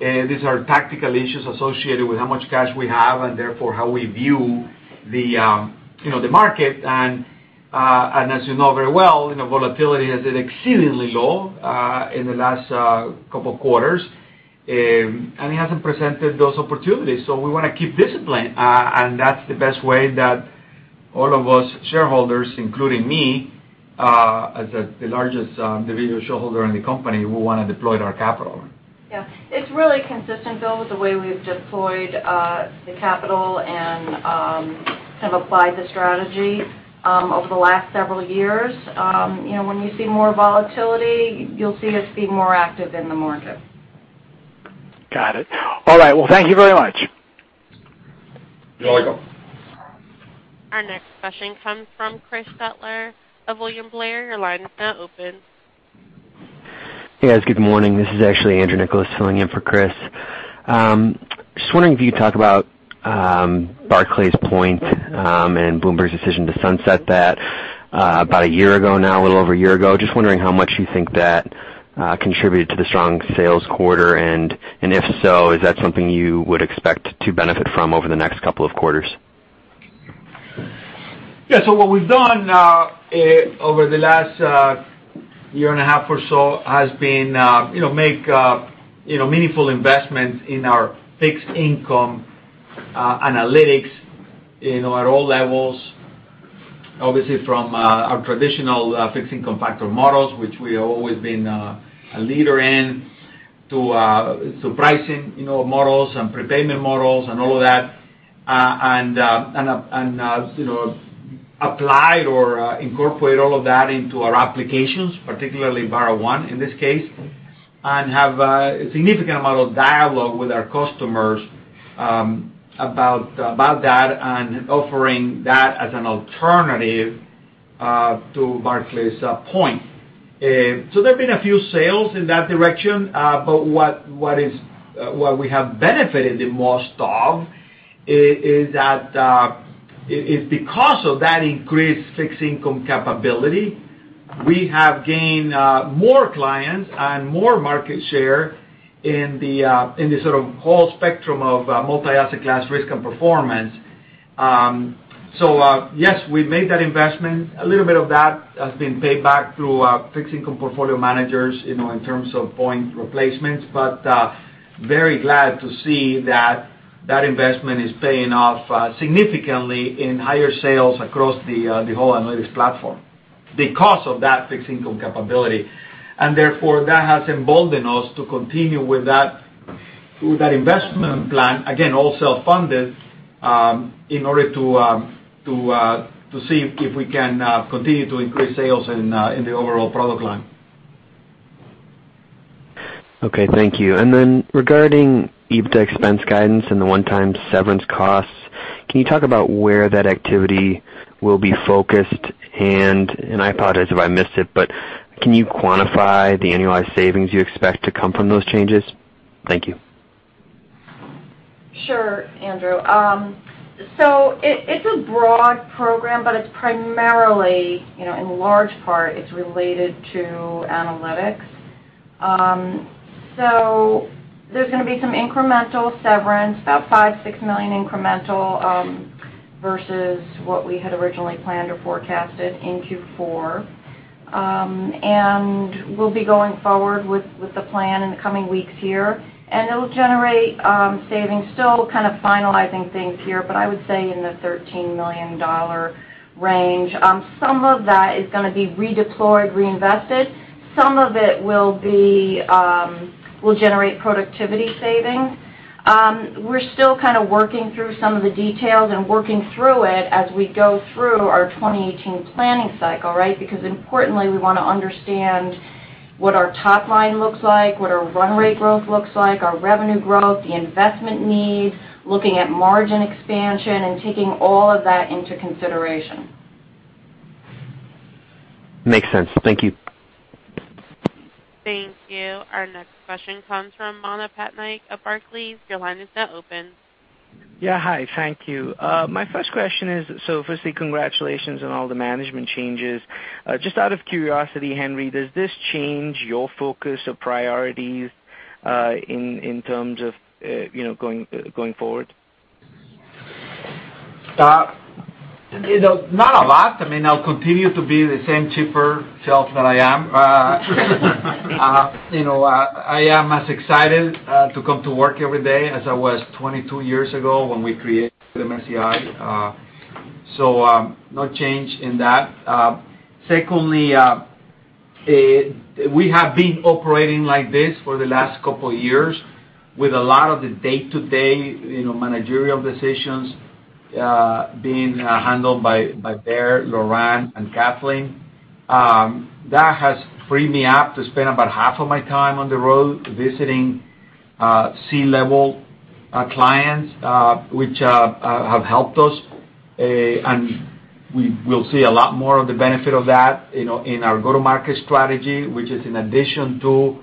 These are tactical issues associated with how much cash we have and therefore how we view the market. As you know very well, volatility has been exceedingly low in the last couple of quarters, and it hasn't presented those opportunities. We want to keep discipline, and that's the best way that all of us shareholders, including me, as the largest individual shareholder in the company, we want to deploy our capital. Yeah. It's really consistent, Bill, with the way we've deployed the capital and have applied the strategy over the last several years. When you see more volatility, you'll see us be more active in the market. Got it. All right. Well, thank you very much. You're welcome. Our next question comes from Chris Butler of William Blair. Your line is now open. Yes, good morning. This is actually Andrew Nicholas filling in for Chris. Just wondering if you could talk about Barclays POINT, and Bloomberg's decision to sunset that about a year ago now, a little over a year ago. Just wondering how much you think that contributed to the strong sales quarter, and if so, is that something you would expect to benefit from over the next couple of quarters? What we've done over the last year and a half or so has been make meaningful investments in our fixed income analytics at all levels. Obviously from our traditional fixed income factor models, which we have always been a leader in, to pricing models and prepayment models and all of that. Apply or incorporate all of that into our applications, particularly BarraOne in this case. Have a significant amount of dialogue with our customers about that and offering that as an alternative to Barclays POINT. There've been a few sales in that direction. What we have benefited the most of is because of that increased fixed income capability, we have gained more clients and more market share in the sort of whole spectrum of multi-asset class risk and performance. Yes, we've made that investment. A little bit of that has been paid back through fixed income portfolio managers in terms of POINT replacements. Very glad to see that that investment is paying off significantly in higher sales across the whole analytics platform because of that fixed income capability. Therefore that has emboldened us to continue with that investment plan, again, all self-funded, in order to see if we can continue to increase sales in the overall product line. Okay, thank you. Then regarding EBITDA expense guidance and the one-time severance costs, can you talk about where that activity will be focused and I apologize if I missed it, but can you quantify the annualized savings you expect to come from those changes? Thank you. Sure, Andrew. It's a broad program, but it's primarily, in large part, it's related to analytics. There's going to be some incremental severance, about five, six million incremental, versus what we had originally planned or forecasted in Q4. We'll be going forward with the plan in the coming weeks here, and it'll generate savings, still kind of finalizing things here, but I would say in the $13 million range. Some of that is going to be redeployed, reinvested. Some of it will generate productivity savings. We're still kind of working through some of the details and working through it as we go through our 2018 planning cycle, right? Importantly, we want to understand what our top line looks like, what our run rate growth looks like, our revenue growth, the investment needs, looking at margin expansion, and taking all of that into consideration. Makes sense. Thank you. Thank you. Our next question comes from Manav Patnaik of Barclays. Your line is now open. Yeah. Hi, thank you. My first question is, firstly, congratulations on all the management changes. Just out of curiosity, Henry, does this change your focus or priorities in terms of going forward? Not a lot. I mean, I'll continue to be the same cheaper self that I am. I am as excited to come to work every day as I was 22 years ago when we created MSCI. No change in that. Secondly, we have been operating like this for the last couple of years with a lot of the day-to-day managerial decisions being handled by Baer, Laurent, and Kathleen. That has freed me up to spend about half of my time on the road visiting C-level clients, which have helped us. We'll see a lot more of the benefit of that in our go-to-market strategy, which is in addition to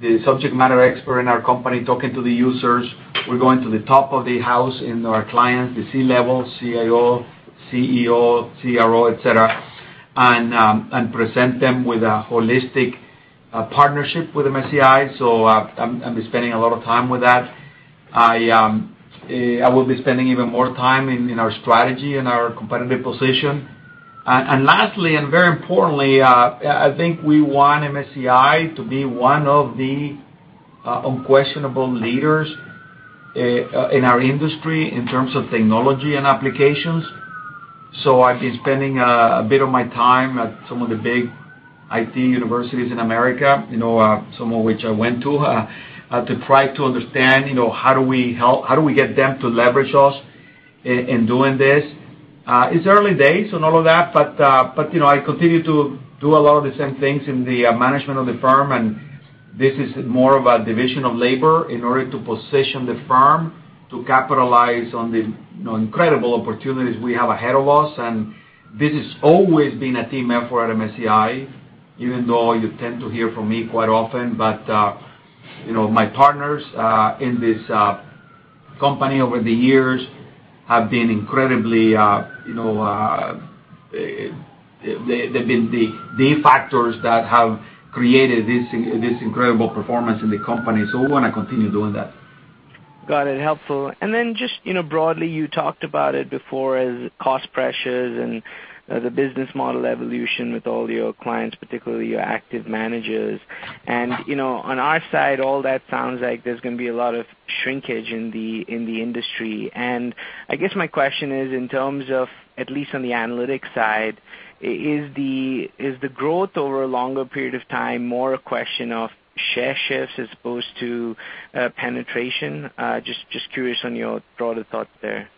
the subject matter expert in our company talking to the users. We're going to the top of the house in our clients, the C-level, CIO, CEO, CRO, et cetera, and present them with a holistic partnership with MSCI. I'm spending a lot of time with that. I will be spending even more time in our strategy and our competitive position. Lastly, and very importantly, I think we want MSCI to be one of the unquestionable leaders in our industry in terms of technology and applications. I've been spending a bit of my time at some of the big IT universities in America, some of which I went to try to understand how do we get them to leverage us in doing this. It's early days on all of that, but I continue to do a lot of the same things in the management of the firm, and this is more of a division of labor in order to position the firm to capitalize on the incredible opportunities we have ahead of us. This has always been a team effort at MSCI, even though you tend to hear from me quite often. My partners in this company over the years, they've been the factors that have created this incredible performance in the company, so we want to continue doing that. Got it. Helpful. Just broadly, you talked about it before as cost pressures and the business model evolution with all your clients, particularly your active managers. On our side, all that sounds like there's going to be a lot of shrinkage in the industry. I guess my question is in terms of, at least on the analytics side, is the growth over a longer period of time more a question of share shifts as opposed to penetration? Just curious on your broader thoughts there.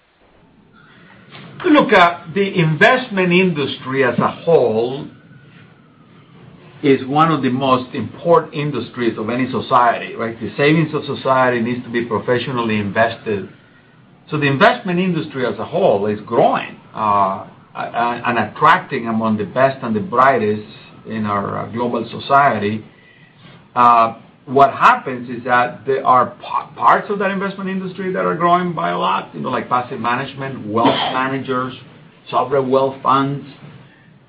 Look, the investment industry as a whole is one of the most important industries of any society, right? The savings of society needs to be professionally invested. The investment industry as a whole is growing and attracting among the best and the brightest in our global society. What happens is that there are parts of that investment industry that are growing by a lot, like passive management, wealth managers, sovereign wealth funds,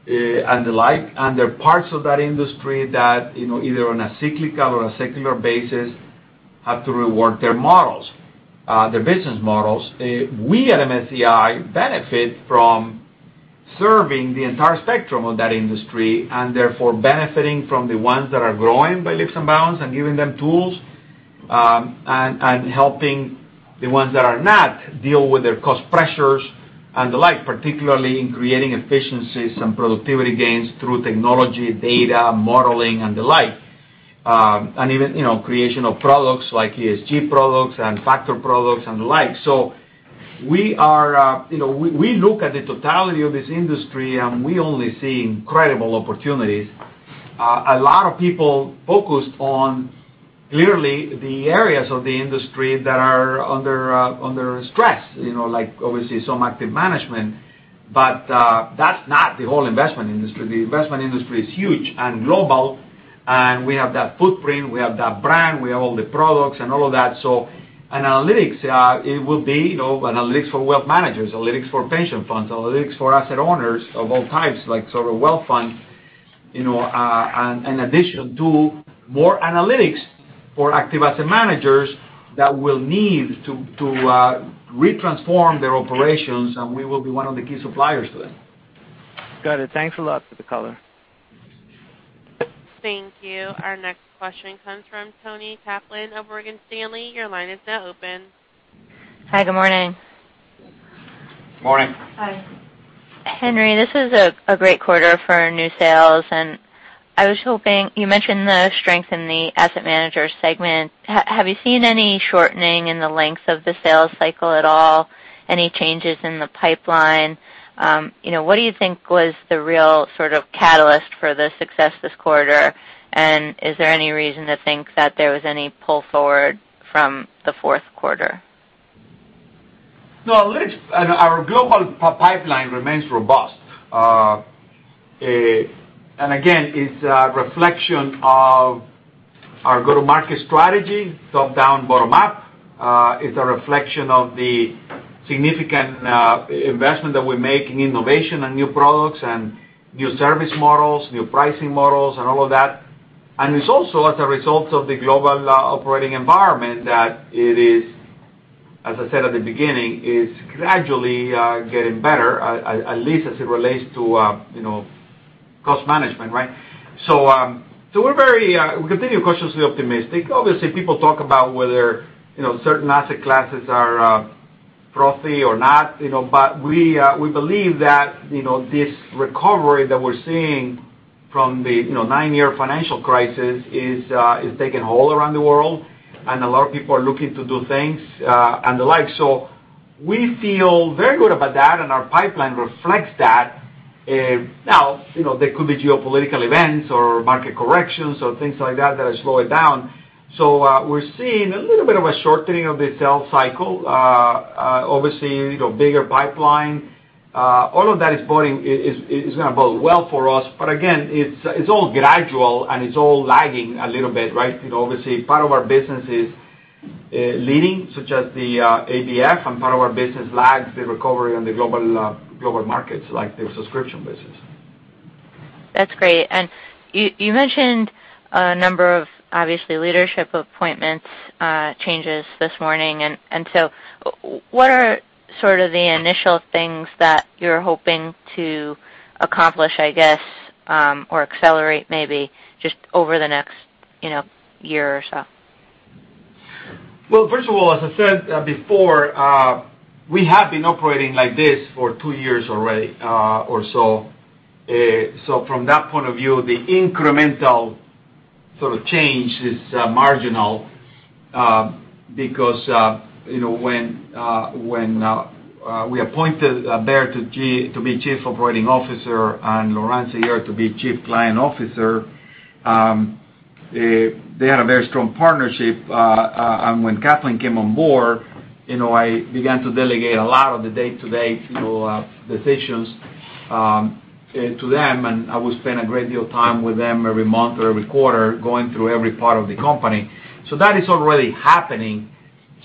and the like. There are parts of that industry that, either on a cyclical or a secular basis, have to rework their business models. We at MSCI benefit from serving the entire spectrum of that industry, therefore benefiting from the ones that are growing by leaps and bounds and giving them tools, helping the ones that are not deal with their cost pressures and the like, particularly in creating efficiencies and productivity gains through technology, data, modeling and the like. Even creation of products like ESG products and factor products and the like. We look at the totality of this industry, we only see incredible opportunities. A lot of people focused on clearly the areas of the industry that are under stress, like obviously some active management. That's not the whole investment industry. The investment industry is huge and global, we have that footprint, we have that brand, we have all the products and all of that. Analytics, it will be analytics for wealth managers, analytics for pension funds, analytics for asset owners of all types, like sovereign wealth funds. In addition to more analytics for active asset managers that will need to retransform their operations, and we will be one of the key suppliers to them. Got it. Thanks a lot for the color. Thank you. Our next question comes from Toni Kaplan of Morgan Stanley. Your line is now open. Hi, good morning. Morning. Hi. Henry, this is a great quarter for new sales, I was hoping, you mentioned the strength in the asset manager segment. Have you seen any shortening in the length of the sales cycle at all? Any changes in the pipeline? What do you think was the real sort of catalyst for the success this quarter? Is there any reason to think that there was any pull forward from the fourth quarter? No. Our global pipeline remains robust. Again, it's a reflection of our go-to-market strategy, top-down, bottom-up. It's a reflection of the significant investment that we make in innovation and new products and new service models, new pricing models, and all of that. It's also as a result of the global operating environment that it is, as I said at the beginning, is gradually getting better, at least as it relates to cost management, right? We continue cautiously optimistic. Obviously, people talk about whether certain asset classes are frothy or not. We believe that this recovery that we're seeing from the nine-year financial crisis is taking hold around the world, and a lot of people are looking to do things and the like. We feel very good about that, and our pipeline reflects that. Now, there could be geopolitical events or market corrections or things like that that slow it down. We're seeing a little bit of a shortening of the sales cycle. Obviously, bigger pipeline. All of that is going to bode well for us. Again, it's all gradual, and it's all lagging a little bit, right? Obviously, part of our business is leading, such as the ABF, and part of our business lags the recovery on the global markets, like the subscription business. That's great. You mentioned a number of, obviously, leadership appointment changes this morning. What are sort of the initial things that you're hoping to accomplish, I guess, or accelerate maybe just over the next year or so? Well, first of all, as I said before, we have been operating like this for 2 years already or so. From that point of view, the incremental sort of change is marginal, because when we appointed Baer to be Chief Operating Officer and Laurent Seyer to be Chief Client Officer, they had a very strong partnership. When Kathleen came on board, I began to delegate a lot of the day-to-day decisions to them, and I would spend a great deal of time with them every month or every quarter going through every part of the company. That is already happening.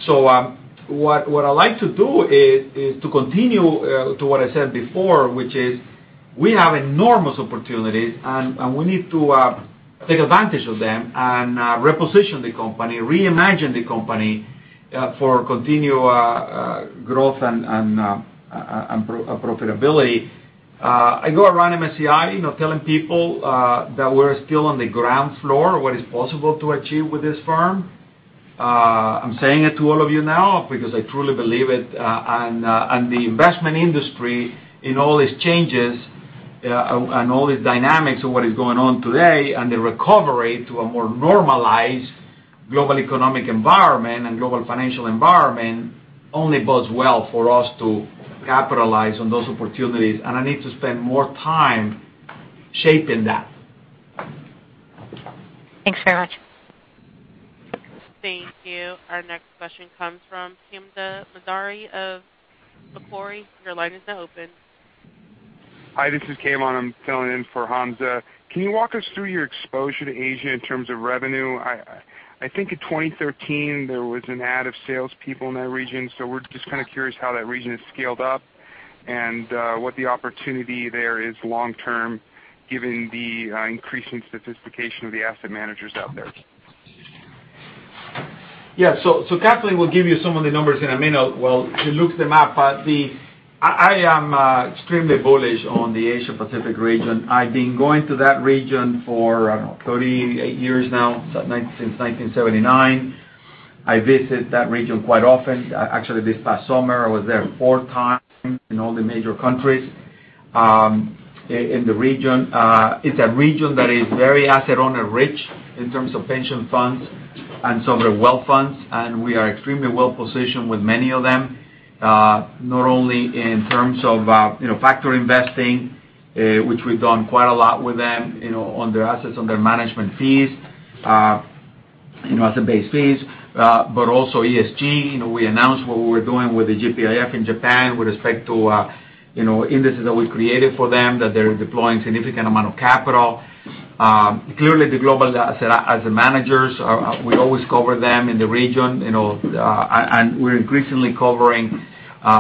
What I like to do is to continue to what I said before, which is, we have enormous opportunities, and we need to take advantage of them and reposition the company, reimagine the company for continued growth and profitability. I go around MSCI telling people that we're still on the ground floor of what is possible to achieve with this firm. I'm saying it to all of you now because I truly believe it. The investment industry in all its changes and all its dynamics of what is going on today and the recovery to a more normalized global economic environment and global financial environment only bodes well for us to capitalize on those opportunities. I need to spend more time shaping that. Thanks very much. Thank you. Our next question comes from Kayvan Rahbar of Macquarie. Your line is now open. Hi, this is Kayvan. I am filling in for Hamza. Can you walk us through your exposure to Asia in terms of revenue? I think in 2013, there was an add of salespeople in that region. We are just kind of curious how that region has scaled up and what the opportunity there is long term, given the increasing sophistication of the asset managers out there. Yeah. Kathleen will give you some of the numbers in a minute while she looks them up. I am extremely bullish on the Asia-Pacific region. I have been going to that region for, I don't know, 38 years now, since 1979. I visit that region quite often. Actually, this past summer, I was there four times in all the major countries in the region. It is a region that is very asset owner rich in terms of pension funds and sovereign wealth funds, and we are extremely well-positioned with many of them, not only in terms of factor investing, which we have done quite a lot with them on their assets, on their management fees, asset-based fees, but also ESG. We announced what we were doing with the GPIF in Japan with respect to indices that we created for them, that they are deploying significant amount of capital. Clearly, the global asset managers, we always cover them in the region, and we are increasingly covering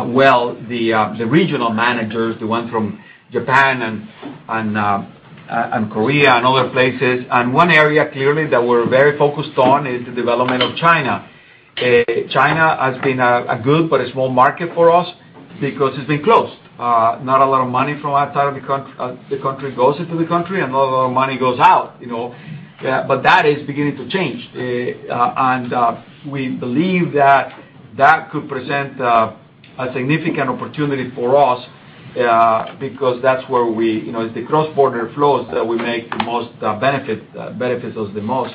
Well, the regional managers, the ones from Japan and Korea, and other places. One area clearly that we are very focused on is the development of China. China has been a good but a small market for us because it has been closed. Not a lot of money from outside of the country goes into the country, and not a lot of money goes out. That is beginning to change. We believe that that could present a significant opportunity for us, because that is where it is the cross-border flows that benefits us the most.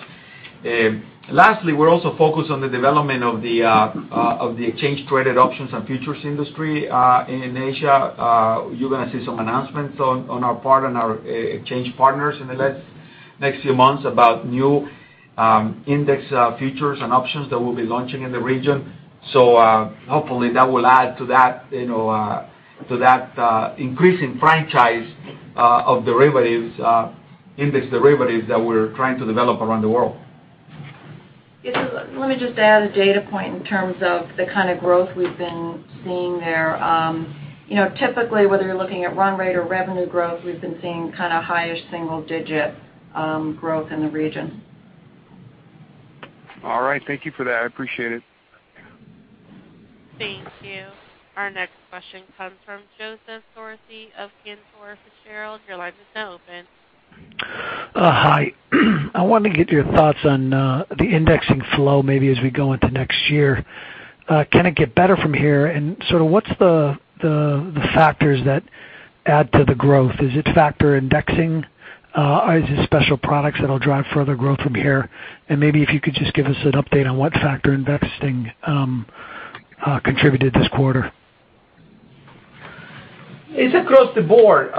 Lastly, we are also focused on the development of the exchange-traded options and futures industry, in Asia. You're going to see some announcements on our part and our exchange partners in the next few months about new index futures and options that we'll be launching in the region. Hopefully, that will add to that increasing franchise of index derivatives that we're trying to develop around the world. Yes. Let me just add a data point in terms of the kind of growth we've been seeing there. Typically, whether you're looking at run rate or revenue growth, we've been seeing kind of higher single-digit growth in the region. All right. Thank you for that. I appreciate it. Thank you. Our next question comes from Joseph Foresi of Cantor Fitzgerald. Your line is now open. Hi. I wanted to get your thoughts on the indexing flow, maybe as we go into next year. Can it get better from here? Sort of what's the factors that add to the growth? Is it factor indexing? Is it special products that'll drive further growth from here? Maybe if you could just give us an update on what factor indexing contributed this quarter. It's across the board.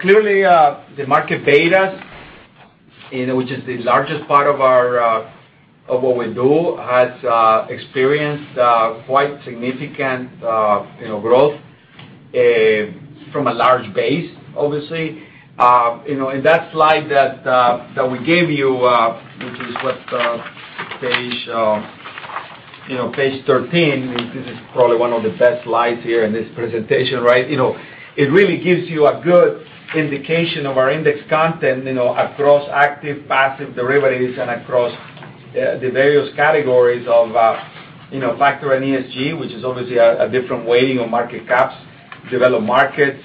Clearly, the market betas, which is the largest part of what we do, has experienced quite significant growth, from a large base, obviously. In that slide that we gave you, which is what? Page 13. This is probably one of the best slides here in this presentation. It really gives you a good indication of our index content, across active, passive derivatives, and across the various categories of factor and ESG, which is obviously a different weighting on market caps, developed markets,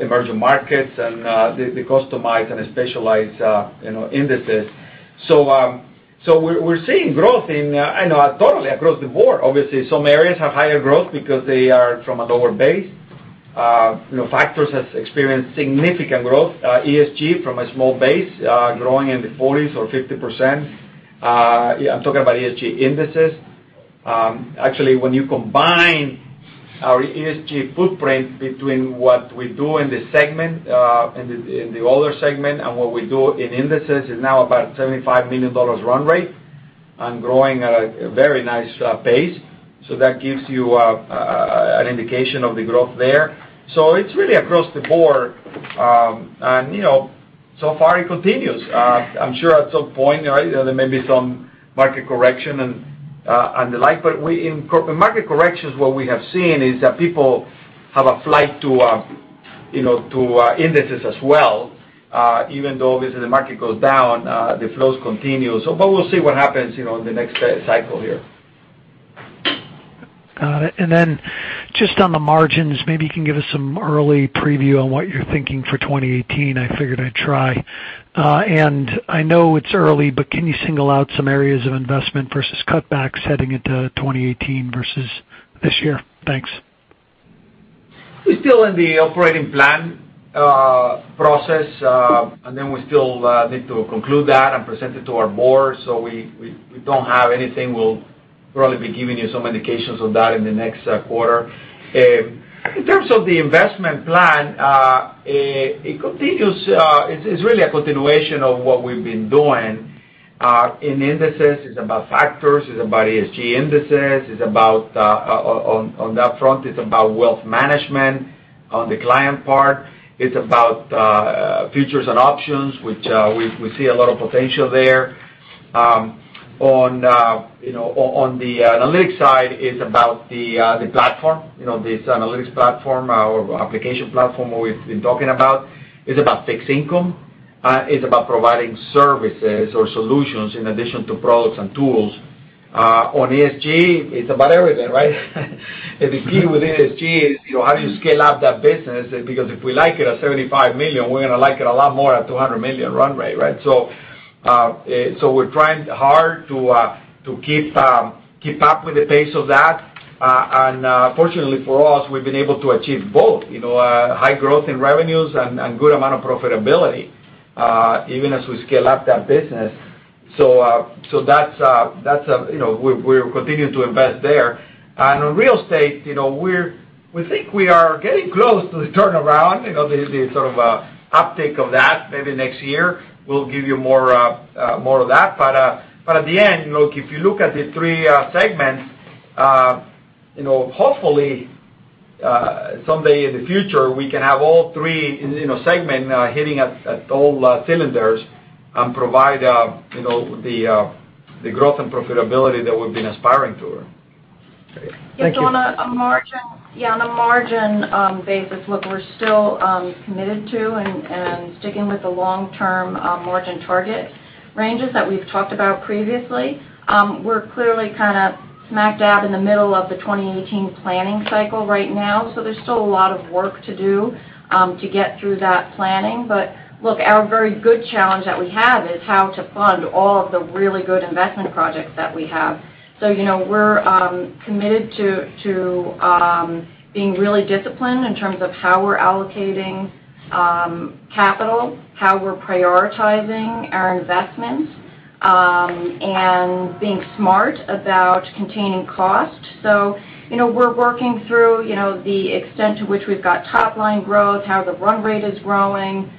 emerging markets, and the customized and specialized indices. We're seeing growth in, totally across the board. Obviously, some areas have higher growth because they are from a lower base. Factors have experienced significant growth. ESG, from a small base, growing in the 40s or 50%. I'm talking about ESG indices. Actually, when you combine our ESG footprint between what we do in the other segment and what we do in indices, is now about $75 million run rate and growing at a very nice pace. That gives you an indication of the growth there. It's really across the board. So far, it continues. I'm sure at some point, there may be some market correction and the like, but in market corrections, what we have seen is that people have a flight to indices as well, even though, obviously, the market goes down, the flows continue. We'll see what happens in the next cycle here. Got it. Just on the margins, maybe you can give us some early preview on what you're thinking for 2018. I figured I'd try. I know it's early, but can you single out some areas of investment versus cutbacks heading into 2018 versus this year? Thanks. We're still in the operating plan process. We still need to conclude that and present it to our board. We don't have anything. We'll probably be giving you some indications on that in the next quarter. In terms of the investment plan, it's really a continuation of what we've been doing. In indices, it's about factors, it's about ESG indices. On that front, it's about wealth management. On the client part, it's about features and options, which we see a lot of potential there. On the analytics side, it's about the analytics platform, our application platform we've been talking about. It's about fixed income. It's about providing services or solutions in addition to products and tools. On ESG, it's about everything, right? The key with ESG is how do you scale up that business? If we like it at $75 million, we're going to like it a lot more at $200 million run rate. We're trying hard to keep up with the pace of that. Fortunately for us, we've been able to achieve both. High growth in revenues and good amount of profitability, even as we scale up that business. We're continuing to invest there. On real estate, we think we are getting close to the turnaround, the sort of uptick of that maybe next year. We'll give you more of that. At the end, if you look at the 3 segments, hopefully. Someday in the future, we can have all 3 segments hitting at all cylinders and provide the growth and profitability that we've been aspiring to. Thank you. On a margin basis, we're still committed to and sticking with the long-term margin target ranges that we've talked about previously. We're clearly kind of smack dab in the middle of the 2018 planning cycle right now. There's still a lot of work to do to get through that planning. Our very good challenge that we have is how to fund all of the really good investment projects that we have. We're committed to being really disciplined in terms of how we're allocating capital, how we're prioritizing our investments, and being smart about containing cost. We're working through the extent to which we've got top-line growth, how the run rate is growing,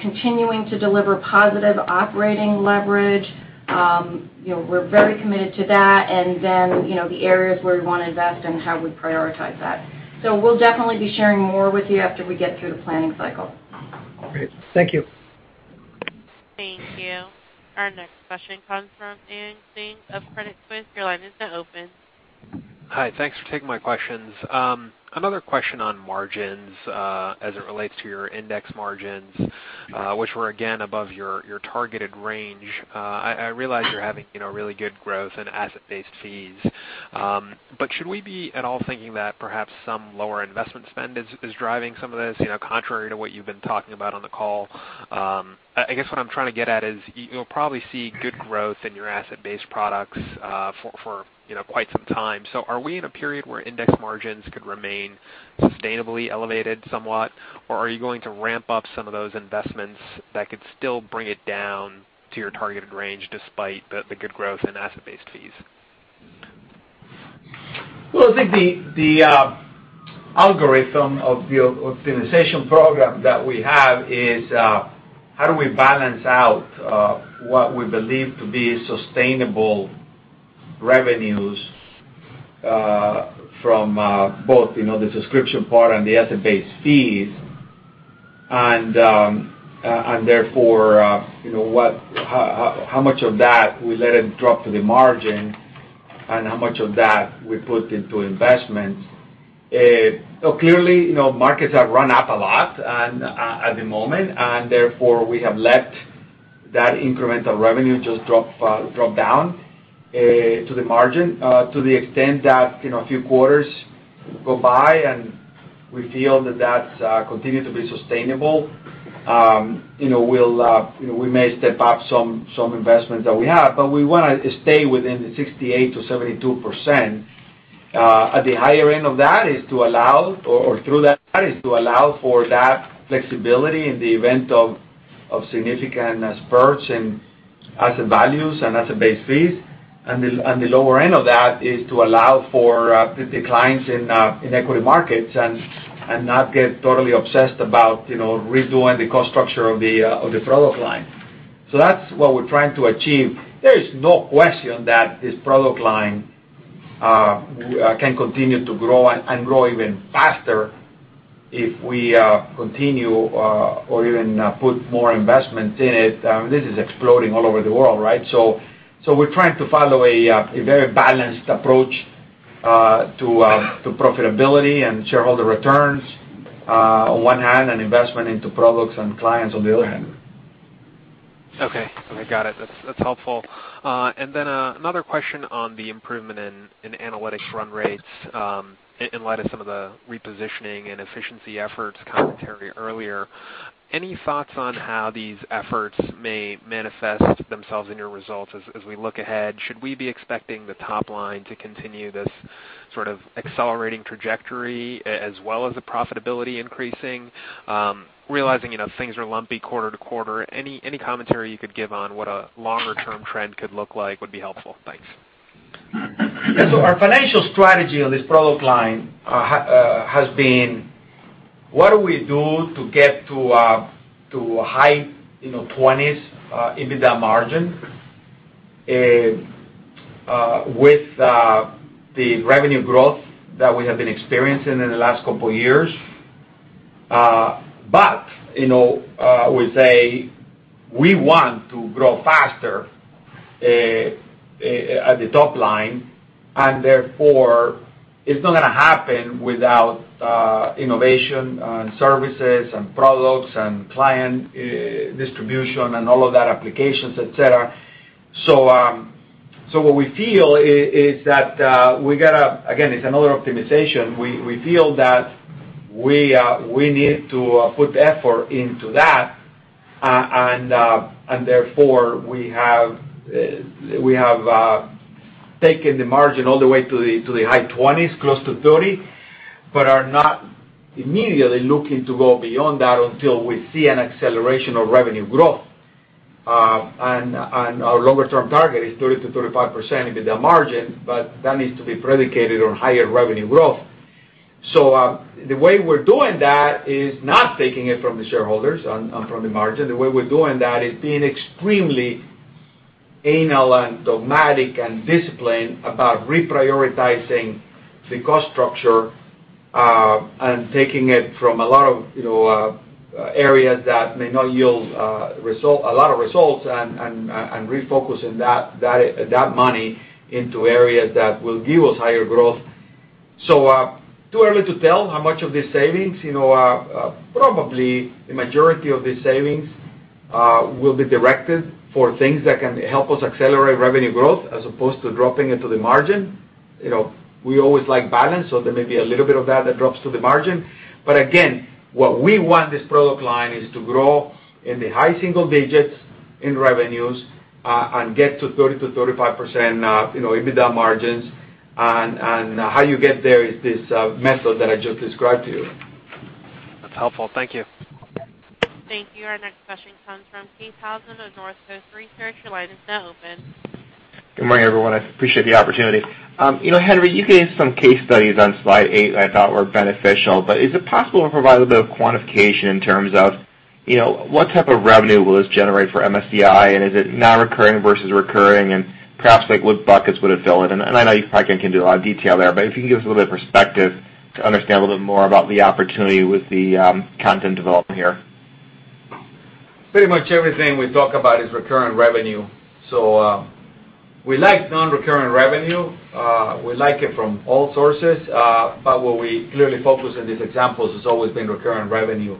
continuing to deliver positive operating leverage. We're very committed to that, the areas where we want to invest and how we prioritize that. We'll definitely be sharing more with you after we get through the planning cycle. Great. Thank you. Thank you. Our next question comes from Ian Ping of Credit Suisse. Your line is now open. Hi. Thanks for taking my questions. Another question on margins as it relates to your index margins, which were, again, above your targeted range. I realize you're having really good growth in asset-based fees. Should we be at all thinking that perhaps some lower investment spend is driving some of this, contrary to what you've been talking about on the call? I guess what I'm trying to get at is you'll probably see good growth in your asset-based products for quite some time. Are we in a period where index margins could remain sustainably elevated somewhat, or are you going to ramp up some of those investments that could still bring it down to your targeted range despite the good growth in asset-based fees? Well, I think the algorithm of the optimization program that we have is how do we balance out what we believe to be sustainable revenues from both the subscription part and the asset-based fees, how much of that we let it drop to the margin and how much of that we put into investments. Clearly, markets have run up a lot at the moment, we have let that incremental revenue just drop down to the margin. To the extent that a few quarters go by and we feel that that continue to be sustainable, we may step up some investments that we have. We want to stay within the 68%-72%. At the higher end of that is to allow, or through that is to allow for that flexibility in the event of significant spurts in asset values and asset-based fees. The lower end of that is to allow for the declines in equity markets and not get totally obsessed about redoing the cost structure of the product line. That's what we're trying to achieve. There is no question that this product line can continue to grow and grow even faster if we continue or even put more investment in it. This is exploding all over the world, right? We're trying to follow a very balanced approach to profitability and shareholder returns on one hand, and investment into products and clients on the other hand. Okay. Got it. That's helpful. Then another question on the improvement in analytics run rates in light of some of the repositioning and efficiency efforts commentary earlier. Any thoughts on how these efforts may manifest themselves in your results as we look ahead? Should we be expecting the top line to continue this sort of accelerating trajectory as well as the profitability increasing? Realizing things are lumpy quarter-to-quarter, any commentary you could give on what a longer-term trend could look like would be helpful. Thanks. Our financial strategy on this product line has been what do we do to get to high 20s EBITDA margin with the revenue growth that we have been experiencing in the last couple of years. We say we want to grow faster at the top line, it's not going to happen without innovation and services and products and client distribution and all of that applications, et cetera. What we feel is that we got to, again, it's another optimization. We feel that we need to put effort into that, we have taken the margin all the way to the high 20s, close to 30, but are not immediately looking to go beyond that until we see an acceleration of revenue growth. Our longer-term target is 30%-35% EBITDA margin, that needs to be predicated on higher revenue growth. The way we're doing that is not taking it from the shareholders and from the margin. The way we're doing that is being extremely Anal and dogmatic and disciplined about reprioritizing the cost structure, and taking it from a lot of areas that may not yield a lot of results, and refocusing that money into areas that will give us higher growth. Too early to tell how much of these savings. Probably the majority of these savings will be directed for things that can help us accelerate revenue growth as opposed to dropping it to the margin. We always like balance, there may be a little bit of that that drops to the margin. But again, what we want this product line is to grow in the high single digits in revenues, and get to 30%-35% EBITDA margins. How you get there is this method that I just described to you. That's helpful. Thank you. Thank you. Our next question comes from Keith Housum of Northcoast Research. Your line is now open. Good morning, everyone. I appreciate the opportunity. Henry, you gave some case studies on slide eight I thought were beneficial. Is it possible to provide a bit of quantification in terms of what type of revenue will this generate for MSCI, and is it non-recurring versus recurring, and perhaps like what buckets would it fill in? I know you probably can't give a lot of detail there, but if you can give us a little bit of perspective to understand a little bit more about the opportunity with the content development here. Pretty much everything we talk about is recurring revenue. We like non-recurring revenue. We like it from all sources. What we clearly focus on these examples has always been recurring revenue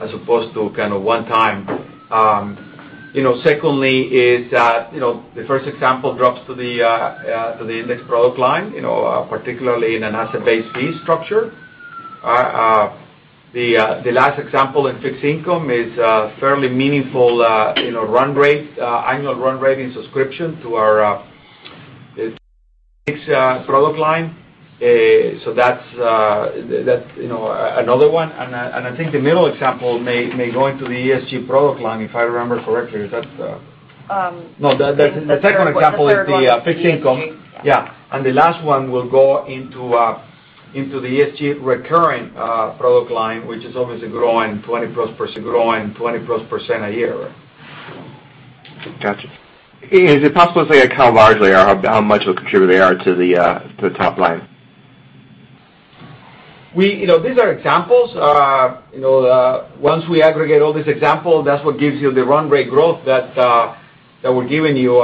as opposed to kind of one time. Secondly is that the first example drops to the index product line, particularly in an asset-based fee structure. The last example in fixed income is a fairly meaningful annual run rate in subscription to our fixed product line. That's another one. I think the middle example may go into the ESG product line, if I remember correctly. No, the second example is the fixed income. Yes. Yeah. The last one will go into the ESG recurring product line, which is obviously growing 20-plus% a year. Got you. Is it possible to say how largely or how much of a contributor they are to the top line? These are examples. Once we aggregate all these examples, that's what gives you the run rate growth that we're giving you.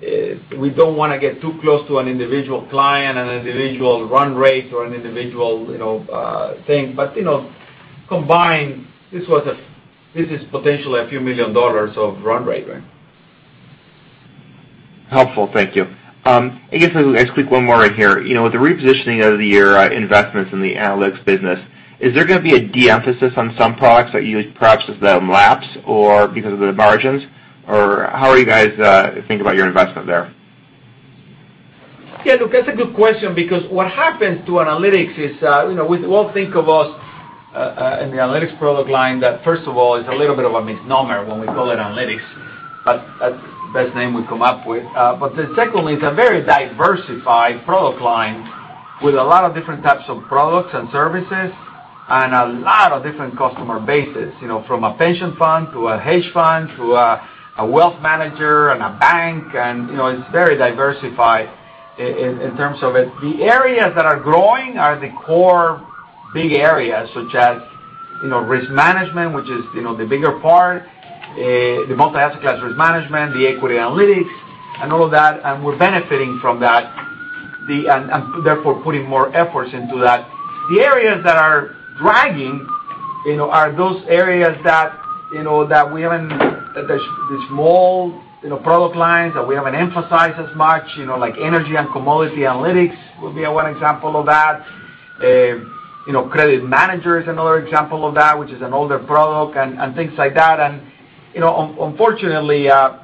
We don't want to get too close to an individual client, an individual run rate, or an individual thing. Combined, this is potentially a few million dollars of run rate. Helpful. Thank you. I guess I'll just click one more in here. With the repositioning of your investments in the analytics business, is there going to be a de-emphasis on some products that you perhaps [as them lapse] or because of the margins? How are you guys thinking about your investment there? Yeah, look, that's a good question because what happens to analytics is we all think about in the analytics product line that, first of all, it's a little bit of a misnomer when we call it analytics. That's the best name we come up with. Secondly, it's a very diversified product line with a lot of different types of products and services and a lot of different customer bases. From a pension fund to a hedge fund, to a wealth manager and a bank, it's very diversified in terms of it. The areas that are growing are the core big areas, such as risk management, which is the bigger part, the multi-asset class risk management, the equity analytics and all of that, we're benefiting from that, therefore putting more efforts into that. The areas that are dragging are those areas that The small product lines that we haven't emphasized as much, like energy and commodity analytics would be one example of that. CreditManager is another example of that, which is an older product and things like that. Unfortunately, we have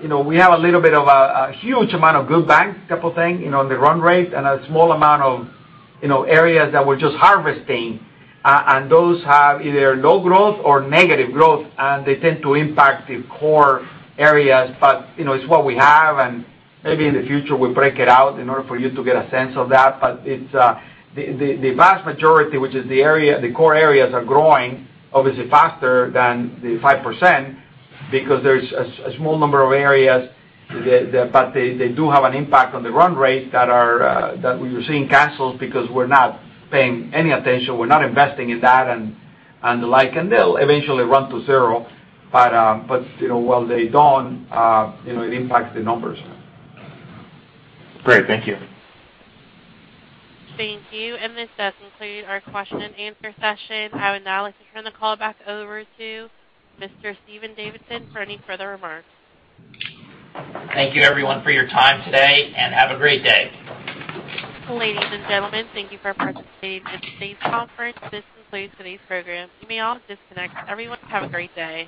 a little bit of a huge amount of good banks type of thing, the run rate and a small amount of areas that we're just harvesting. Those have either low growth or negative growth, they tend to impact the core areas. It's what we have, maybe in the future we break it out in order for you to get a sense of that. The vast majority, which is the core areas, are growing obviously faster than the 5% because there's a small number of areas, but they do have an impact on the run rate that we were seeing cancels because we're not paying any attention. We're not investing in that and the like, and they'll eventually run to zero. While they don't, it impacts the numbers. Great. Thank you. Thank you. This does conclude our question-answer session. I would now like to turn the call back over to Mr. Stephen Davidson for any further remarks. Thank you, everyone, for your time today, and have a great day. Ladies and gentlemen, thank you for participating in today's conference. This concludes today's program. You may all disconnect. Everyone, have a great day.